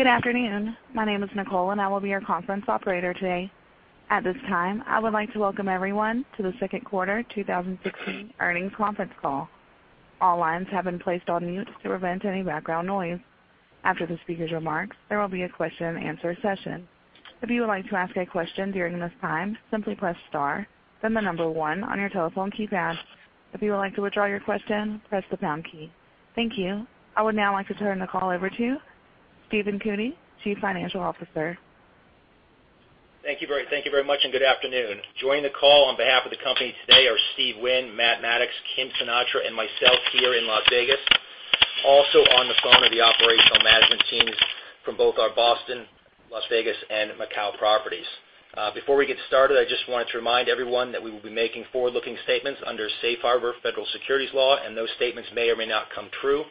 Good afternoon. My name is Nicole, and I will be your conference operator today. At this time, I would like to welcome everyone to the second quarter 2016 earnings conference call. All lines have been placed on mute to prevent any background noise. After the speaker's remarks, there will be a question-and-answer session. If you would like to ask a question during this time, simply press star, then number 1 on your telephone keypad. If you would like to withdraw your question, press the pound key. Thank you. I would now like to turn the call over to Steve Cootey, Chief Financial Officer. Thank you very much, good afternoon. Joining the call on behalf of the company today are Steve Wynn, Matt Maddox, Kim Sinatra, and myself here in Las Vegas. Also on the phone are the operational management teams from both our Boston, Las Vegas, and Macau properties. Before we get started, I just wanted to remind everyone that we will be making forward-looking statements under Safe Harbor federal securities law, and those statements may or may not come true.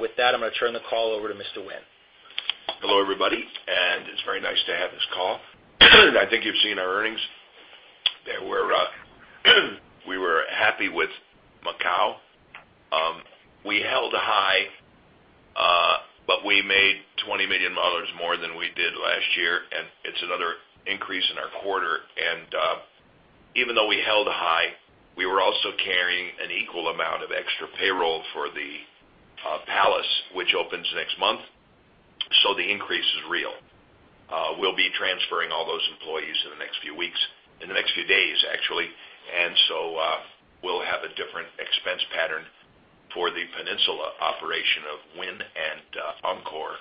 With that, I'm going to turn the call over to Mr. Wynn. Hello, everybody, it's very nice to have this call. I think you've seen our earnings. We were happy with Macau. We held high, but we made $20 million more than we did last year, and it's another increase in our quarter. Even though we held high, we were also carrying an equal amount of extra payroll for the Palace, which opens next month, so the increase is real. We'll be transferring all those employees in the next few weeks, in the next few days, actually. So we'll have a different expense pattern for the Peninsula operation of Wynn and Encore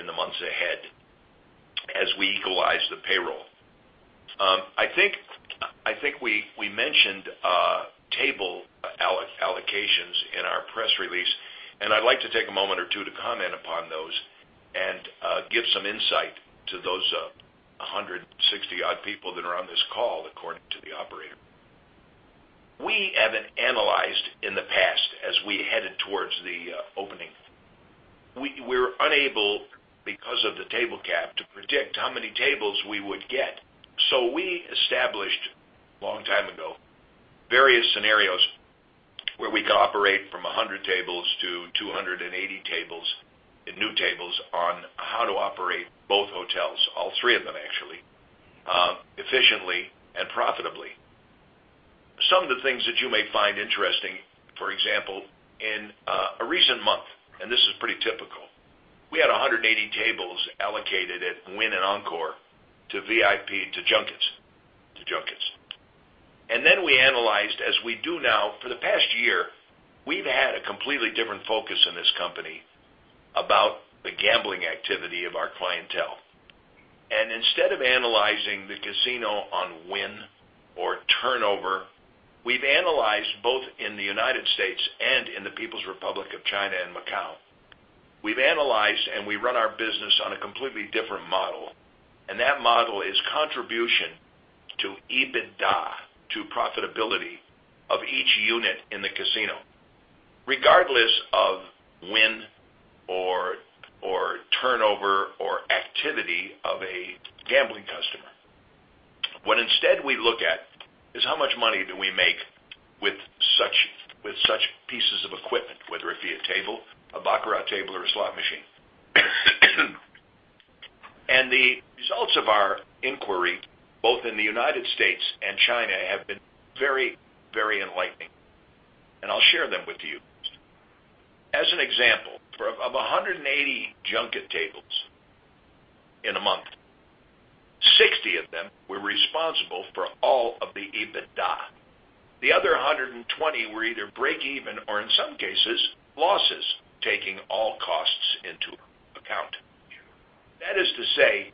in the months ahead as we equalize the payroll. I think we mentioned table allocations in our press release, I'd like to take a moment or two to comment upon those and give some insight to those 160-odd people that are on this call, according to the operator. We haven't analyzed in the past as we headed towards the opening. We're unable, because of the table cap, to predict how many tables we would get. We established, a long time ago, various scenarios where we could operate from 100 tables to 280 tables, new tables, on how to operate both hotels, all three of them actually, efficiently and profitably. Some of the things that you may find interesting, for example, in a recent month, this is pretty typical, we had 180 tables allocated at Wynn and Encore to VIP, to junkets. Then we analyzed, as we do now, for the past year, we've had a completely different focus in this company about the gambling activity of our clientele. Instead of analyzing the casino on win or turnover, we've analyzed both in the U.S. and in the People's Republic of China and Macau. We've analyzed, we run our business on a completely different model, and that model is contribution to EBITDA, to profitability of each unit in the casino, regardless of win or turnover or activity of a gambling customer. What instead we look at is how much money do we make with such pieces of equipment, whether it be a table, a baccarat table, or a slot machine. The results of our inquiry, both in the U.S. and China, have been very enlightening, and I'll share them with you. As an example, of 180 junket tables in a month, 60 of them were responsible for all of the EBITDA. The other 120 were either break even or, in some cases, losses, taking all costs into account. That is to say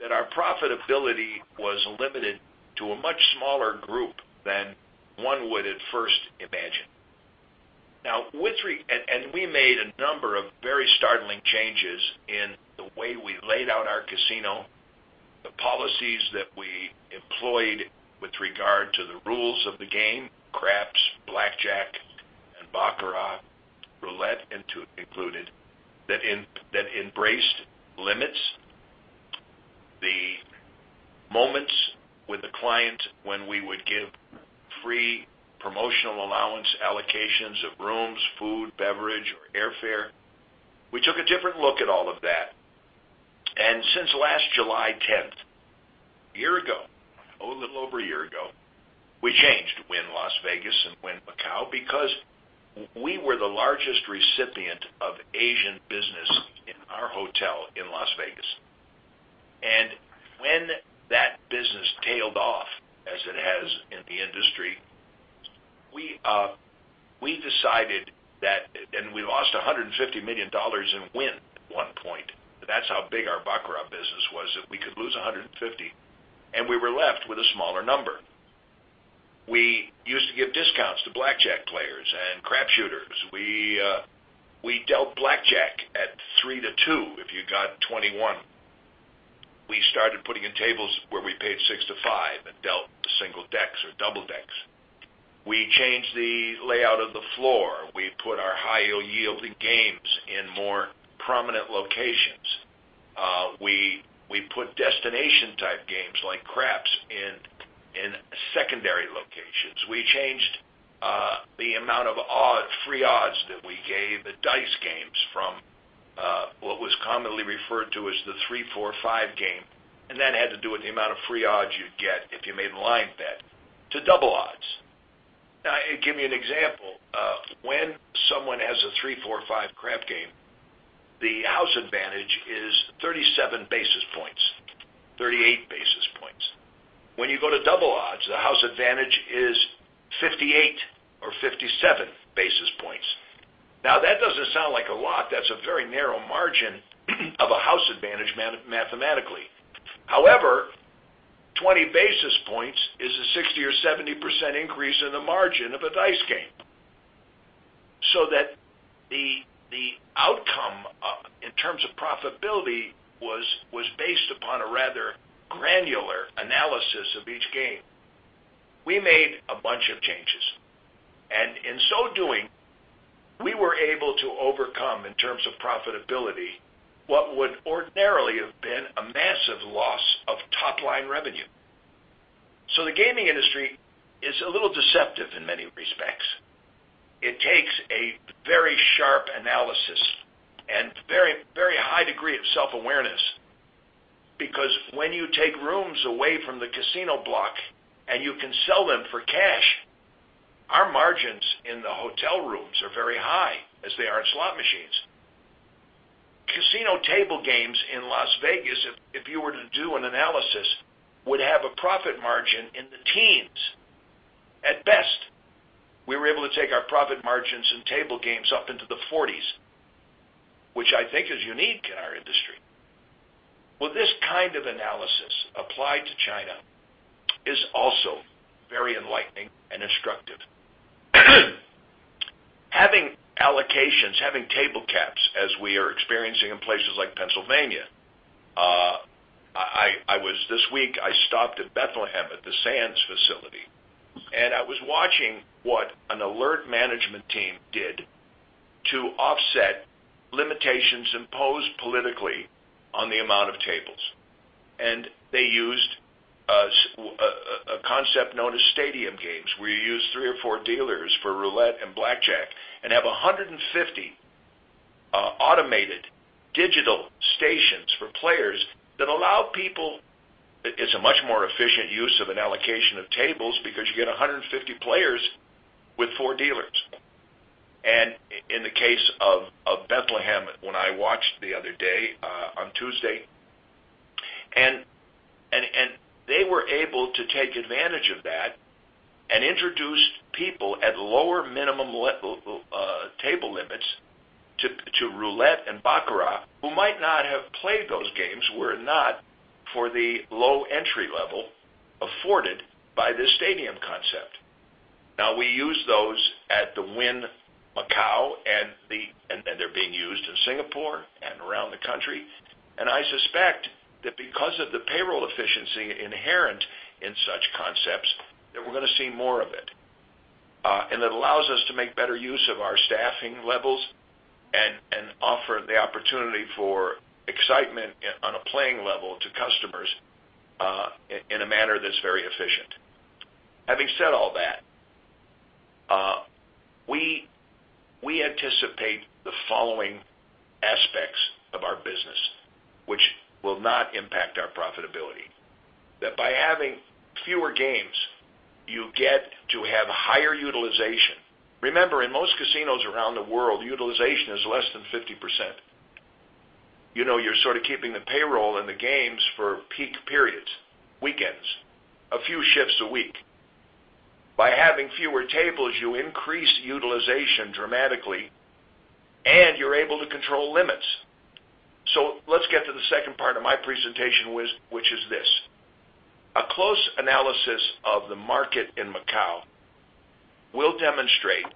that our profitability was limited to a much smaller group than one would at first imagine. We made a number of very startling changes in the way we laid out our casino, the policies that we employed with regard to the rules of the game, craps, blackjack, and baccarat, roulette included, that embraced limits. The moments with the client when we would give free promotional allowance allocations of rooms, food, beverage, or airfare. We took a different look at all of that. Since last July 10th, a year ago, a little over a year ago, we changed Wynn Las Vegas and Wynn Macau because we were the largest recipient of Asian business in our hotel in Las Vegas. When that business tailed off, as it has in the industry, we decided that we lost $150 million in Wynn at one point. That's how big our baccarat business was, that we could lose 150, and we were left with a smaller number. We used to give discounts to blackjack players and crap shooters. We dealt blackjack at three to two if you got 21. We started putting in tables where we paid six to five and dealt single decks or double decks. We changed the layout of the floor. We put our higher-yielding games in more prominent locations. We put destination-type games like craps in. We changed the amount of free odds that we gave the dice games from what was commonly referred to as the three, four, five game, and that had to do with the amount of free odds you'd get if you made a line bet, to double odds. Give you an example. When someone has a three, four, five crap game, the house advantage is 37 basis points, 38 basis points. When you go to double odds, the house advantage is 58 or 57 basis points. That doesn't sound like a lot. That's a very narrow margin of a house advantage mathematically. However, 20 basis points is a 60% or 70% increase in the margin of a dice game. The outcome, in terms of profitability, was based upon a rather granular analysis of each game. We made a bunch of changes. In so doing, we were able to overcome, in terms of profitability, what would ordinarily have been a massive loss of top-line revenue. The gaming industry is a little deceptive in many respects. It takes a very sharp analysis and very high degree of self-awareness, because when you take rooms away from the casino block and you can sell them for cash, our margins in the hotel rooms are very high as they are in slot machines. Casino table games in Las Vegas, if you were to do an analysis, would have a profit margin in the teens at best. We were able to take our profit margins in table games up into the 40s, which I think is unique in our industry. Well, this kind of analysis applied to China is also very enlightening and instructive. Having allocations, having table caps as we are experiencing in places like Pennsylvania. This week, I stopped at Bethlehem at the Sands facility. I was watching what an alert management team did to offset limitations imposed politically on the amount of tables. They used a concept known as stadium games, where you use three or four dealers for roulette and blackjack and have 150 automated digital stations for players that allow people. It's a much more efficient use of an allocation of tables because you get 150 players with four dealers. In the case of Bethlehem, when I watched the other day on Tuesday, they were able to take advantage of that and introduced people at lower minimum table limits to roulette and baccarat, who might not have played those games were it not for the low entry level afforded by this stadium concept. Now, we use those at the Wynn Macau. They're being used in Singapore and around the country. I suspect that because of the payroll efficiency inherent in such concepts, that we're going to see more of it. It allows us to make better use of our staffing levels and offer the opportunity for excitement on a playing level to customers, in a manner that's very efficient. Having said all that, we anticipate the following aspects of our business, which will not impact our profitability. That by having fewer games, you get to have higher utilization. Remember, in most casinos around the world, utilization is less than 50%. You're sort of keeping the payroll and the games for peak periods, weekends, a few shifts a week. By having fewer tables, you increase utilization dramatically, and you're able to control limits. Let's get to the second part of my presentation, which is this. A close analysis of the market in Macau will demonstrate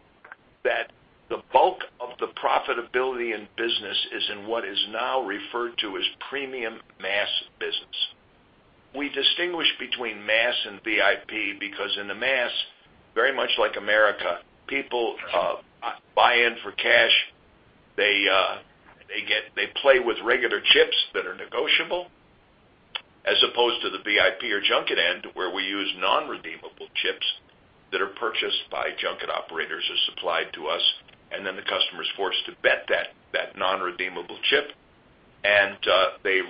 that the bulk of the profitability in business is in what is now referred to as premium mass business. We distinguish between mass and VIP because in the mass, very much like America, people buy in for cash. They play with regular chips that are negotiable, as opposed to the VIP or junket end, where we use non-redeemable chips that are purchased by junket operators as supplied to us. The customer is forced to bet that non-redeemable chip. They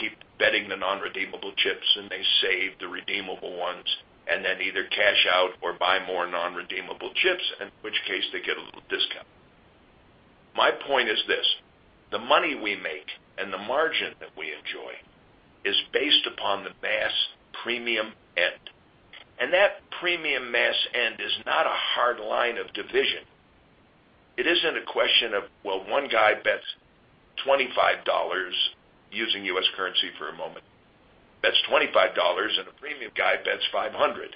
keep betting the non-redeemable chips. They save the redeemable ones. Either cash out or buy more non-redeemable chips, in which case, they get a little discount. My point is this: the money we make and the margin that we enjoy is based upon the mass premium end. That premium mass end is not a hard line of division. It isn't a question of, well, one guy bets $25, using US currency for a moment, bets $25, and a premium guy bets $500.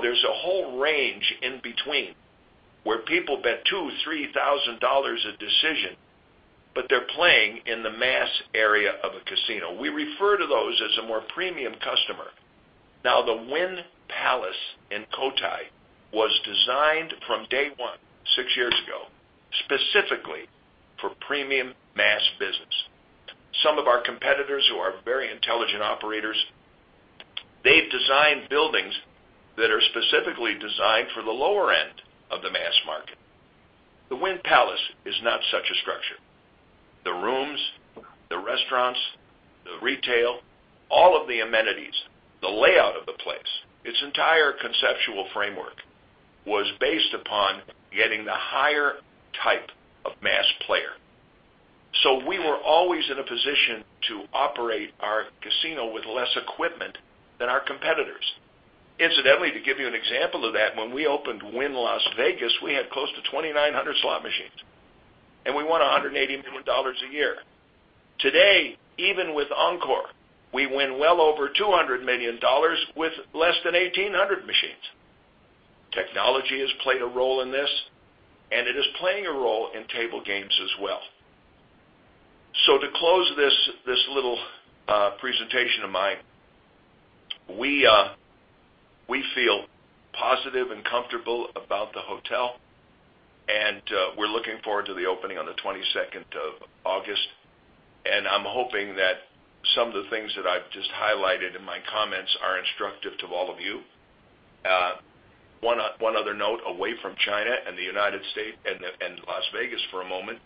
There's a whole range in between where people bet $2,000, $3,000 a decision, but they're playing in the mass area of a casino. We refer to those as a more premium customer. The Wynn Palace in Cotai was designed from day one, six years ago, specifically for premium mass business. Some of our competitors who are very intelligent operators, they've designed buildings that are specifically designed for the lower end of the mass market. The Wynn Palace is not such a structure. The rooms, the restaurants, the retail, all of the amenities, the layout of the place, its entire conceptual framework was based upon getting the higher type of mass player. We were always in a position to operate our casino with less equipment than our competitors. Incidentally, to give you an example of that, when we opened Wynn Las Vegas, we had close to 2,900 slot machines, and we won $180 million a year. Today, even with Encore, we win well over $200 million with less than 1,800 machines. Technology has played a role in this, and it is playing a role in table games as well. To close this little presentation of mine, we feel positive and comfortable about the hotel, and we're looking forward to the opening on the 22nd of August, and I'm hoping that some of the things that I've just highlighted in my comments are instructive to all of you. One other note, away from China and the United States and Las Vegas for a moment,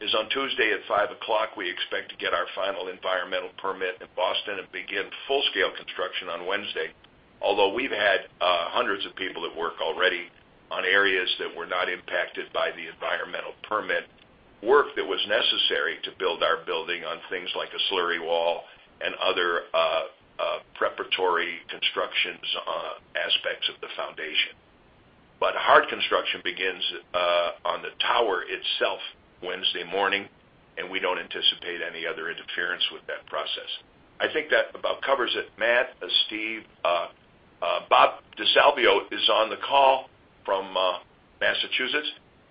is on Tuesday at five o'clock, we expect to get our final environmental permit in Boston and begin full-scale construction on Wednesday. Although we've had hundreds of people at work already on areas that were not impacted by the environmental permit, work that was necessary to build our building on things like a slurry wall and other preparatory constructions aspects of the foundation. Hard construction begins on the tower itself Wednesday morning, and we don't anticipate any other interference with that process. I think that about covers it, Matt, Steve. Bob DeSalvio is on the call from Massachusetts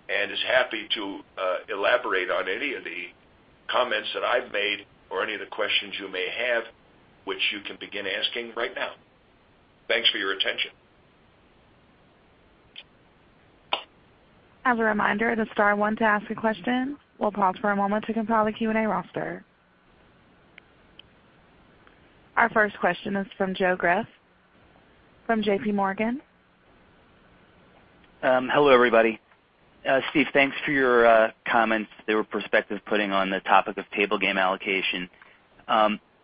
and is happy to elaborate on any of the comments that I've made or any of the questions you may have, which you can begin asking right now. Thanks for your attention. As a reminder, press star one to ask a question. We'll pause for a moment to compile a Q&A roster. Our first question is from Joe Greff from J.P. Morgan. Hello, everybody. Steve, thanks for your comments, they were perspective-putting on the topic of table game allocation.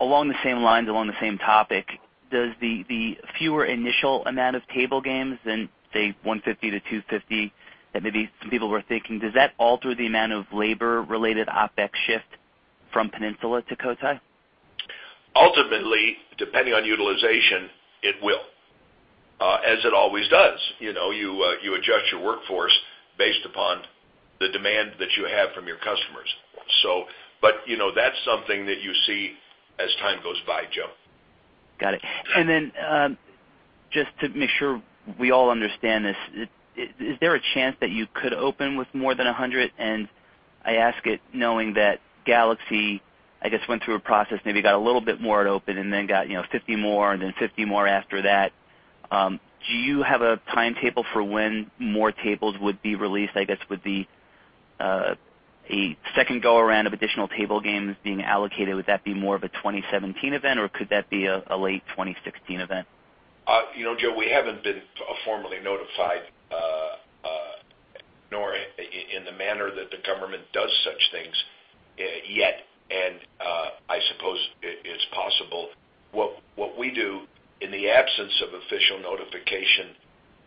Along the same lines, along the same topic, does the fewer initial amount of table games than, say, 150 to 250, that maybe some people were thinking, does that alter the amount of labor-related OpEx shift from Peninsula to Cotai? Ultimately, depending on utilization, it will, as it always does. You adjust your workforce based upon the demand that you have from your customers. That's something that you see as time goes by, Joe. Got it. Then, just to make sure we all understand this, is there a chance that you could open with more than 100? I ask it knowing that Galaxy, I guess, went through a process, maybe got a little bit more at open and then got 50 more and then 50 more after that. Do you have a timetable for when more tables would be released? I guess, would the second go-around of additional table games being allocated, would that be more of a 2017 event, or could that be a late 2016 event? Joe, we haven't been formally notified, nor in the manner that the government does such things yet. I suppose it's possible. What we do in the absence of official notification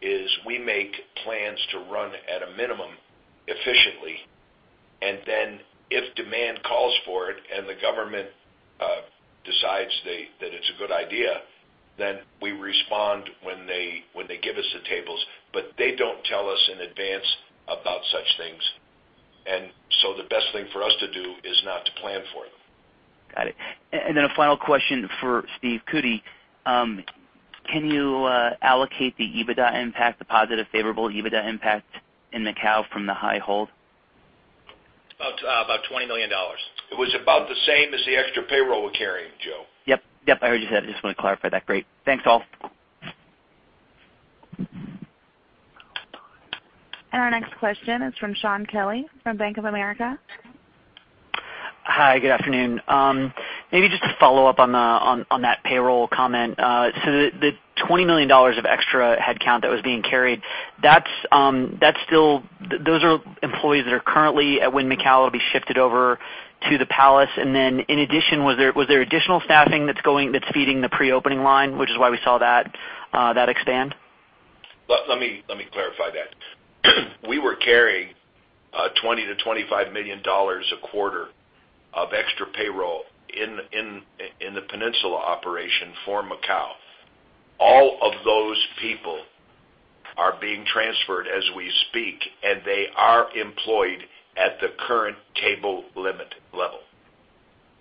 is we make plans to run at a minimum efficiently, and then if demand calls for it and the government decides that it's a good idea, then we respond when they give us the tables, but they don't tell us in advance about such things. The best thing for us to do is not to plan for it. Got it. A final question for Steve Cootey. Can you allocate the EBITDA impact, the positive favorable EBITDA impact in Macau from the high hold? About $20 million. It was about the same as the extra payroll we're carrying, Joe. Yep. I heard you say. I just want to clarify that. Great. Thanks all. Our next question is from Shaun Kelley from Bank of America. Hi, good afternoon. Maybe just to follow up on that payroll comment. The $20 million of extra headcount that was being carried, those are employees that are currently at Wynn Macau, will be shifted over to the Palace? In addition, was there additional staffing that's feeding the pre-opening line, which is why we saw that expand? Let me clarify that. We were carrying $20 million-$25 million a quarter of extra payroll in the Peninsula operation for Macau. All of those people are being transferred as we speak, they are employed at the current table limit level.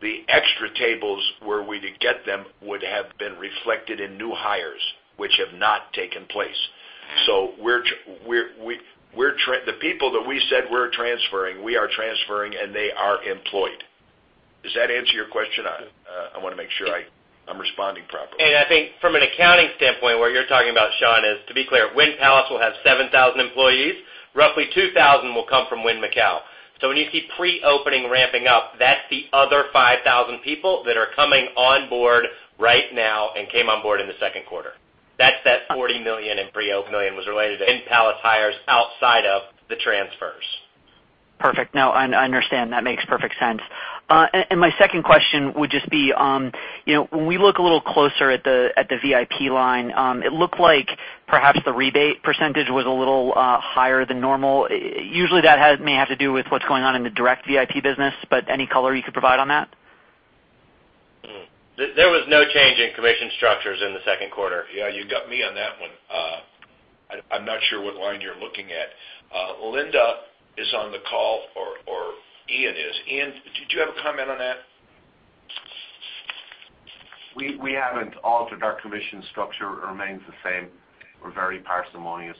The extra tables, were we to get them, would have been reflected in new hires, which have not taken place. The people that we said we're transferring, we are transferring, they are employed. Does that answer your question? Make sure I'm responding properly. I think from an accounting standpoint, what you're talking about, Shaun, is to be clear, Wynn Palace will have 7,000 employees. Roughly 2,000 will come from Wynn Macau. When you see pre-opening ramping up, that's the other 5,000 people that are coming on board right now and came on board in the second quarter. That's that $40 million in pre-opening was related to Wynn Palace hires outside of the transfers. Perfect. No, I understand. That makes perfect sense. My second question would just be, when we look a little closer at the VIP line, it looked like perhaps the rebate % was a little higher than normal. Usually that may have to do with what's going on in the direct VIP business, but any color you could provide on that? There was no change in commission structures in the second quarter. Yeah, you got me on that one. I'm not sure what line you're looking at. Linda is on the call, or Ian is. Ian, did you have a comment on that? We haven't altered our commission structure. It remains the same. We're very parsimonious.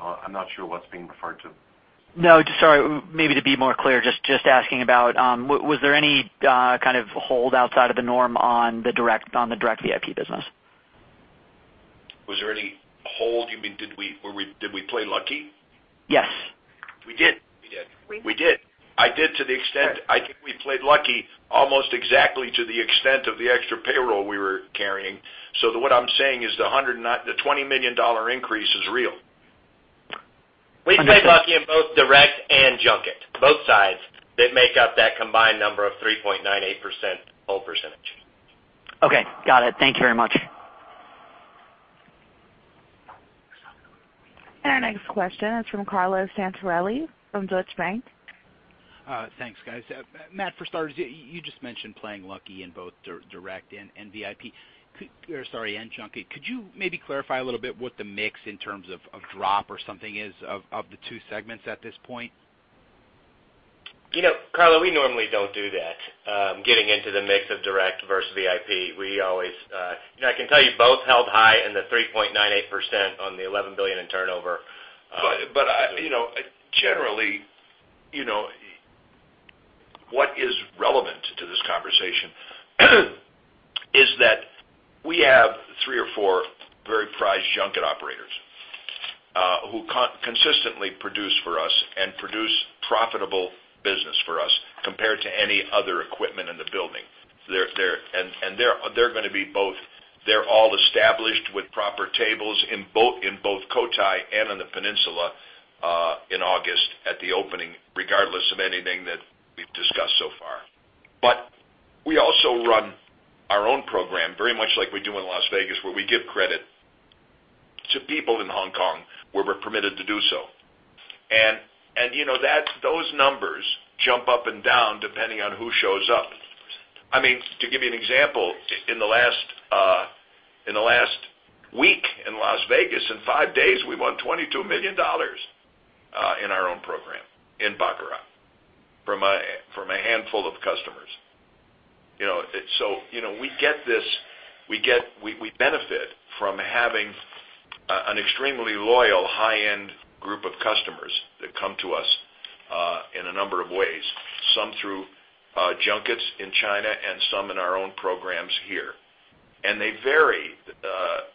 I'm not sure what's being referred to. No, sorry. Maybe to be more clear, just asking about, was there any kind of hold outside of the norm on the direct VIP business? Was there any hold? You mean did we play lucky? Yes. We did. I did. I think we played lucky almost exactly to the extent of the extra payroll we were carrying. What I'm saying is the $20 million increase is real. We played lucky in both direct and junket, both sides, that make up that combined number of 3.98% hold percentage. Okay, got it. Thank you very much. Our next question is from Carlo Santarelli from Deutsche Bank. Thanks, guys. Matt, for starters, you just mentioned playing lucky in both direct and VIP. Sorry, and junket. Could you maybe clarify a little bit what the mix in terms of drop or something is of the two segments at this point? Carlo, we normally don't do that, getting into the mix of direct versus VIP. I can tell you both held high in the 3.98% on the $11 billion in turnover. Generally, what is relevant to this conversation is that we have three or four very prized junket operators who consistently produce for us and produce profitable business for us, compared to any other equipment in the building. They're going to be both. They're all established with proper tables in both Cotai and in the Peninsula in August at the opening, regardless of anything that we've discussed so far. We also run our own program, very much like we do in Las Vegas, where we give credit to people in Hong Kong where we're permitted to do so. Those numbers jump up and down depending on who shows up. I mean, to give you an example, in the last week in Las Vegas, in five days, we won $22 million in our own program in baccarat from a handful of customers. We benefit from having an extremely loyal, high-end group of customers that come to us in a number of ways, some through junkets in China and some in our own programs here. They vary.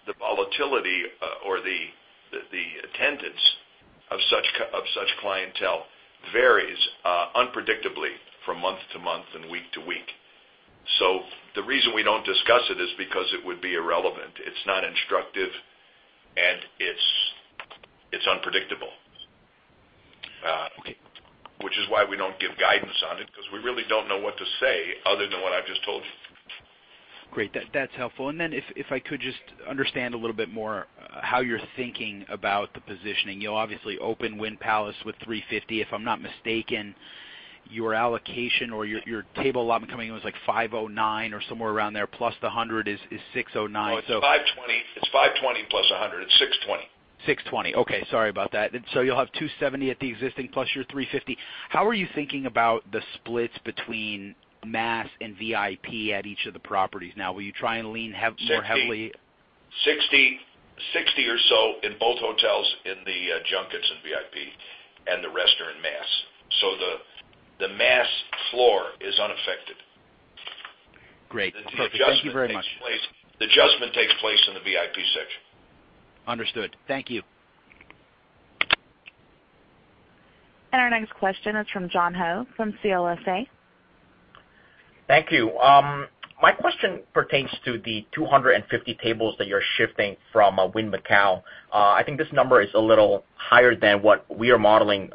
The volatility or the attendance of such clientele varies unpredictably from month to month and week to week. The reason we don't discuss it is because it would be irrelevant. It's not instructive, and it's unpredictable. Okay. Which is why we don't give guidance on it, because we really don't know what to say other than what I've just told you. Great. That's helpful. If I could just understand a little bit more how you're thinking about the positioning. You'll obviously open Wynn Palace with 350. If I'm not mistaken, your allocation or your table allotment coming in was like 509 or somewhere around there, plus the 100 is 609. No, it's 520 plus 100. It's 620. 620. Okay, sorry about that. You'll have 270 at the existing plus your 350. How are you thinking about the splits between mass and VIP at each of the properties now? Will you try and lean more heavily- 60 or so in both hotels in the junkets and VIP, and the rest are in mass. The mass floor is unaffected. Great. Perfect. Thank you very much. The adjustment takes place in the VIP section. Understood. Thank you. Our next question is from John Ho from CLSA. Thank you. My question pertains to the 250 tables that you're shifting from Wynn Macau. I think this number is a little higher than what we are modeling,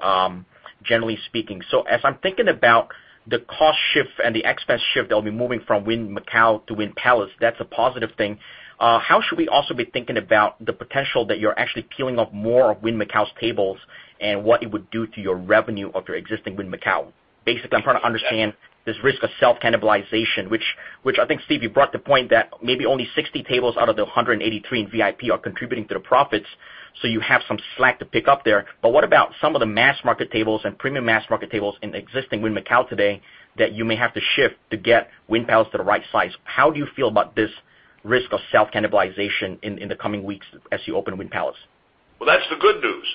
generally speaking. As I'm thinking about the cost shift and the expense shift that will be moving from Wynn Macau to Wynn Palace, that's a positive thing. How should we also be thinking about the potential that you're actually peeling off more of Wynn Macau's tables and what it would do to your revenue of your existing Wynn Macau? Basically, I'm trying to understand this risk of self-cannibalization, which I think, Steve, you brought the point that maybe only 60 tables out of the 183 in VIP are contributing to the profits. You have some slack to pick up there. What about some of the mass market tables and premium mass market tables in existing Wynn Macau today that you may have to shift to get Wynn Palace to the right size? How do you feel about this risk of self-cannibalization in the coming weeks as you open Wynn Palace? That's the good news.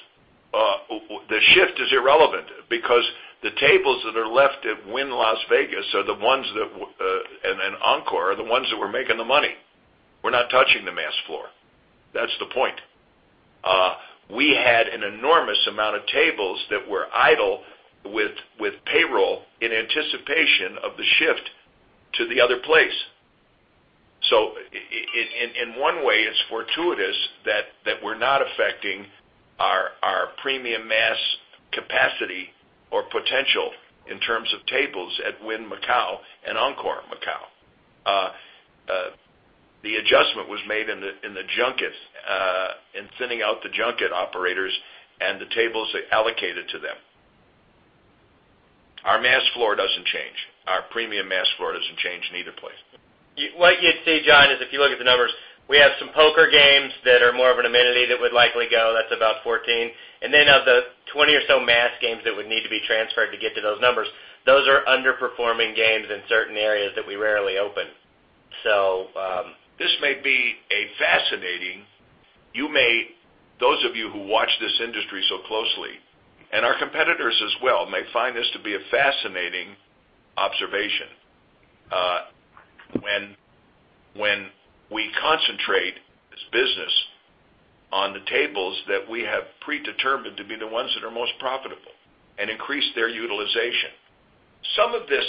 The shift is irrelevant because the tables that are left at Wynn Las Vegas and Encore are the ones that were making the money. We're not touching the mass floor. That's the point. We had an enormous amount of tables that were idle with payroll in anticipation of the shift to the other place. In one way, it's fortuitous that we're not affecting our premium mass capacity or potential in terms of tables at Wynn Macau and Encore Macau. The adjustment was made in thinning out the junket operators and the tables allocated to them. Our mass floor doesn't change. Our premium mass floor doesn't change in either place. What you'd see, John, is if you look at the numbers, we have some poker games that are more of an amenity that would likely go, that's about 14. Of the 20 or so mass games that would need to be transferred to get to those numbers, those are underperforming games in certain areas that we rarely open. Those of you who watch this industry so closely, and our competitors as well, may find this to be a fascinating observation. When we concentrate this business on the tables that we have predetermined to be the ones that are most profitable and increase their utilization. Some of this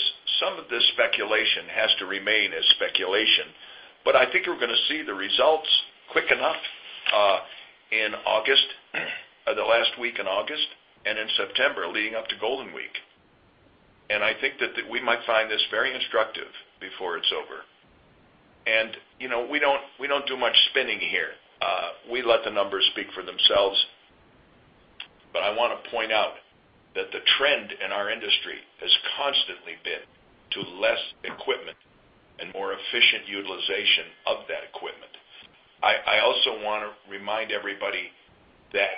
speculation has to remain as speculation. I think we're going to see the results quick enough in August, the last week in August, and in September, leading up to Golden Week. I think that we might find this very instructive before it's over. We don't do much spinning here. We let the numbers speak for themselves. I want to point out that the trend in our industry has constantly been to less equipment and more efficient utilization of that equipment. I also want to remind everybody that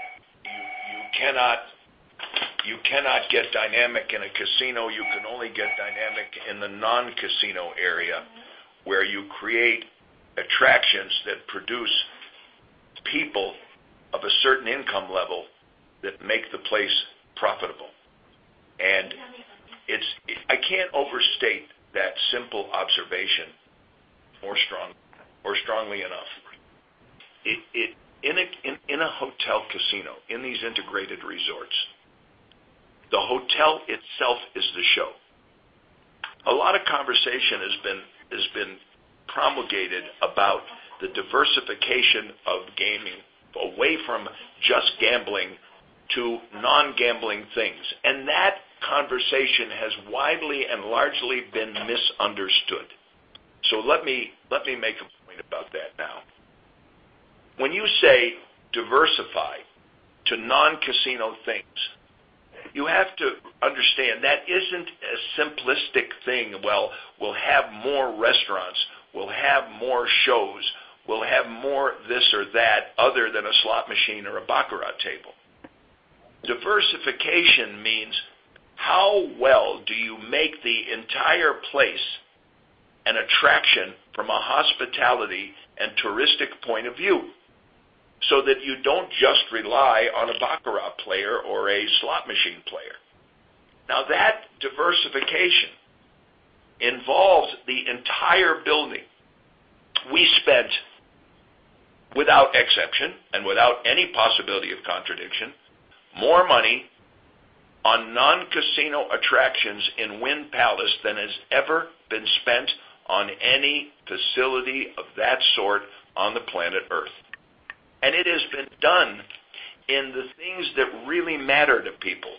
you cannot get dynamic in a casino. You can only get dynamic in the non-casino area, where you create attractions that produce people of a certain income level that make the place profitable. I can't overstate that simple observation more strongly or strongly enough. In a hotel casino, in these integrated resorts, the hotel itself is the show. A lot of conversation has been promulgated about the diversification of gaming away from just gambling to non-gambling things. That conversation has widely and largely been misunderstood. Let me make a point about that now. When you say diversify to non-casino things, you have to understand that isn't a simplistic thing. We'll have more restaurants, we'll have more shows, we'll have more this or that other than a slot machine or a baccarat table. Diversification means how well do you make the entire place an attraction from a hospitality and touristic point of view, so that you don't just rely on a baccarat player or a slot machine player. Now, that diversification involves the entire building. We spent, without exception and without any possibility of contradiction, more money on non-casino attractions in Wynn Palace than has ever been spent on any facility of that sort on the planet Earth. It has been done in the things that really matter to people.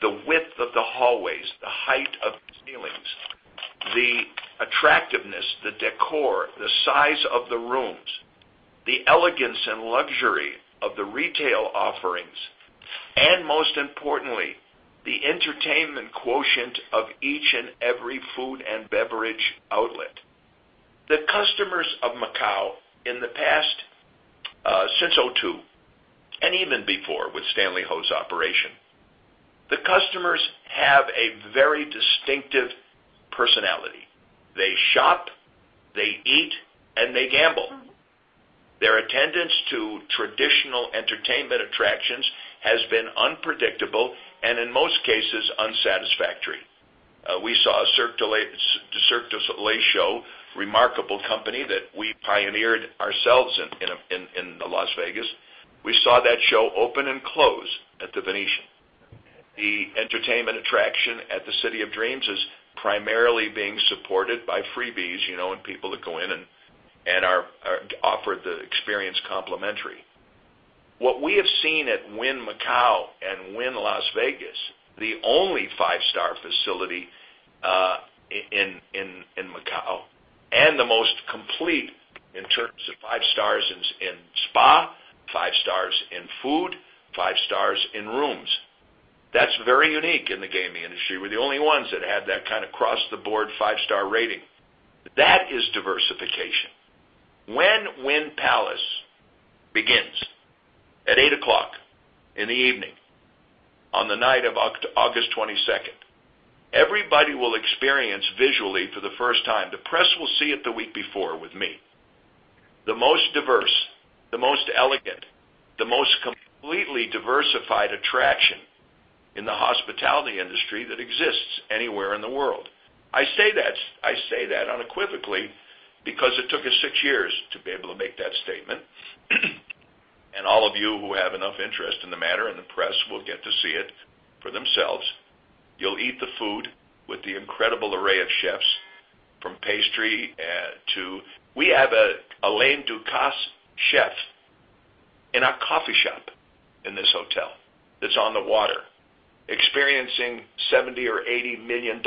The width of the hallways, the height of the ceilings, the attractiveness, the decor, the size of the rooms, the elegance and luxury of the retail offerings, and most importantly, the entertainment quotient of each and every food and beverage outlet. The customers of Macau in the past, since 2002, even before with Stanley Ho's operation, the customers have a very distinctive personality. They shop, they eat, and they gamble. Their attendance to traditional entertainment attractions has been unpredictable and in most cases, unsatisfactory. We saw a Cirque du Soleil show, remarkable company that we pioneered ourselves in Las Vegas. We saw that show open and close at the Venetian. The entertainment attraction at the City of Dreams is primarily being supported by freebies, and people that go in and are offered the experience complimentary. What we have seen at Wynn Macau and Wynn Las Vegas, the only five-star facility in Macau, and the most complete in terms of five stars in spa, five stars in food, five stars in rooms. That's very unique in the gaming industry. We're the only ones that had that kind of across-the-board five-star rating. That is diversification. When Wynn Palace begins at 8:00 P.M. in the evening on the night of August 22nd, everybody will experience visually for the first time. The press will see it the week before with me. The most diverse, the most elegant, the most completely diversified attraction in the hospitality industry that exists anywhere in the world. I say that unequivocally because it took us six years to be able to make that statement. All of you who have enough interest in the matter, in the press, will get to see it for themselves. You'll eat the food with the incredible array of chefs, from pastry to. We have an Alain Ducasse chef in our coffee shop in this hotel that's on the water, experiencing $70 million or $80 million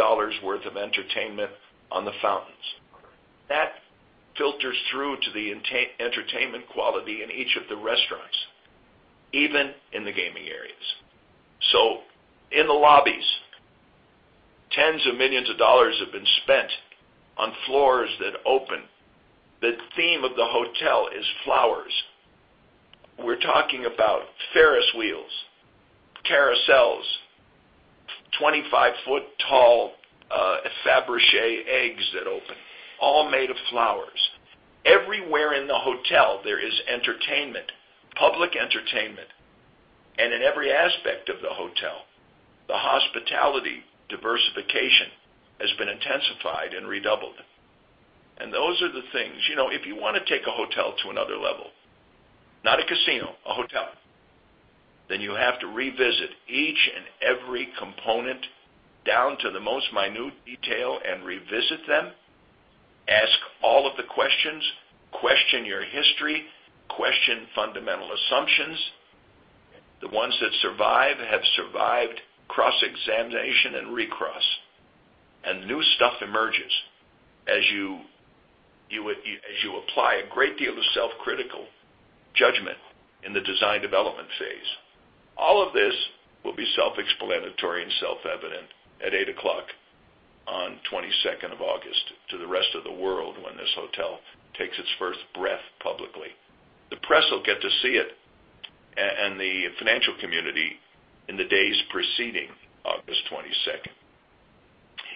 worth of entertainment on the fountains. That filters through to the entertainment quality in each of the restaurants, even in the gaming areas. In the lobbies, tens of millions of dollars have been spent on floors that open. The theme of the hotel is flowers. We're talking about Ferris wheels, carousels, 25-foot tall Fabergé eggs that open, all made of flowers. Everywhere in the hotel, there is entertainment, public entertainment, and in every aspect of the hotel, the hospitality diversification has been intensified and redoubled. Those are the things. If you want to take a hotel to another level, not a casino, a hotel, then you have to revisit each and every component down to the most minute detail and revisit them, ask all of the questions, question your history, question fundamental assumptions. The ones that survive have survived cross-examination and re-cross. New stuff emerges as you apply a great deal of self-critical judgment in the design development phase. All of this will be self-explanatory and self-evident at 8:00 on 22nd of August to the rest of the world when this hotel takes its first breath publicly. The press will get to see it, and the financial community in the days preceding August 22nd.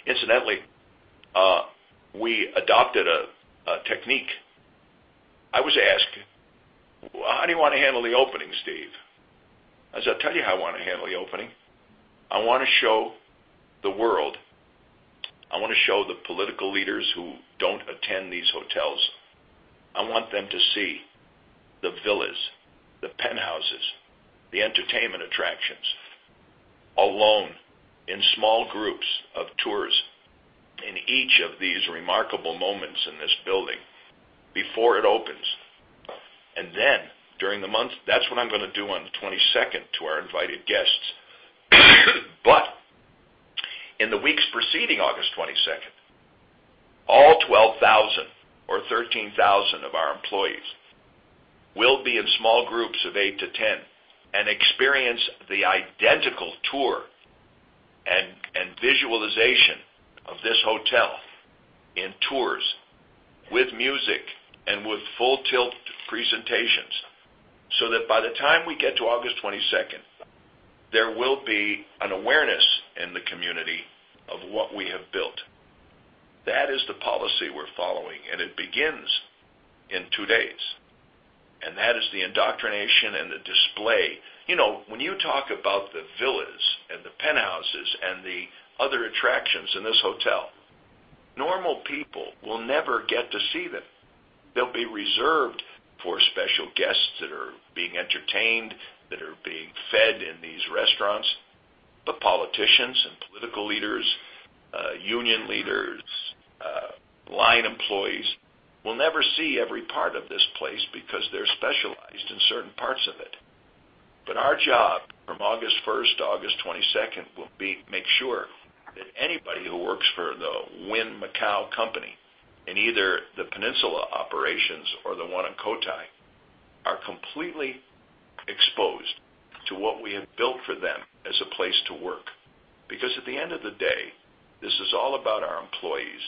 Incidentally, we adopted a technique. I was asked, "How do you want to handle the opening, Steve?" I said, "I'll tell you how I want to handle the opening. I want to show the world, I want to show the political leaders who don't attend these hotels. I want them to see the villas, the penthouses, the entertainment attractions alone in small groups of tours in each of these remarkable moments in this building before it opens. Then during the month, that's what I'm going to do on the 22nd to our invited guests. In the weeks preceding August 22nd, all 12,000 or 13,000 of our employees will be in small groups of eight to 10 and experience the identical tour and visualization of this hotel in tours with music and with full-tilt presentations, so that by the time we get to August 22nd, there will be an awareness in the community of what we have built. That is the policy we're following, and it begins in two days, and that is the indoctrination and the display. When you talk about the villas and the penthouses and the other attractions in this hotel, normal people will never get to see them. They'll be reserved for special guests that are being entertained, that are being fed in these restaurants. The politicians and political leaders, union leaders, line employees will never see every part of this place because they're specialized in certain parts of it. Our job from August 1st to August 22nd will be to make sure that anybody who works for the Wynn Macau company, in either the Peninsula operations or the one in Cotai, are completely exposed to what we have built for them as a place to work. At the end of the day, this is all about our employees,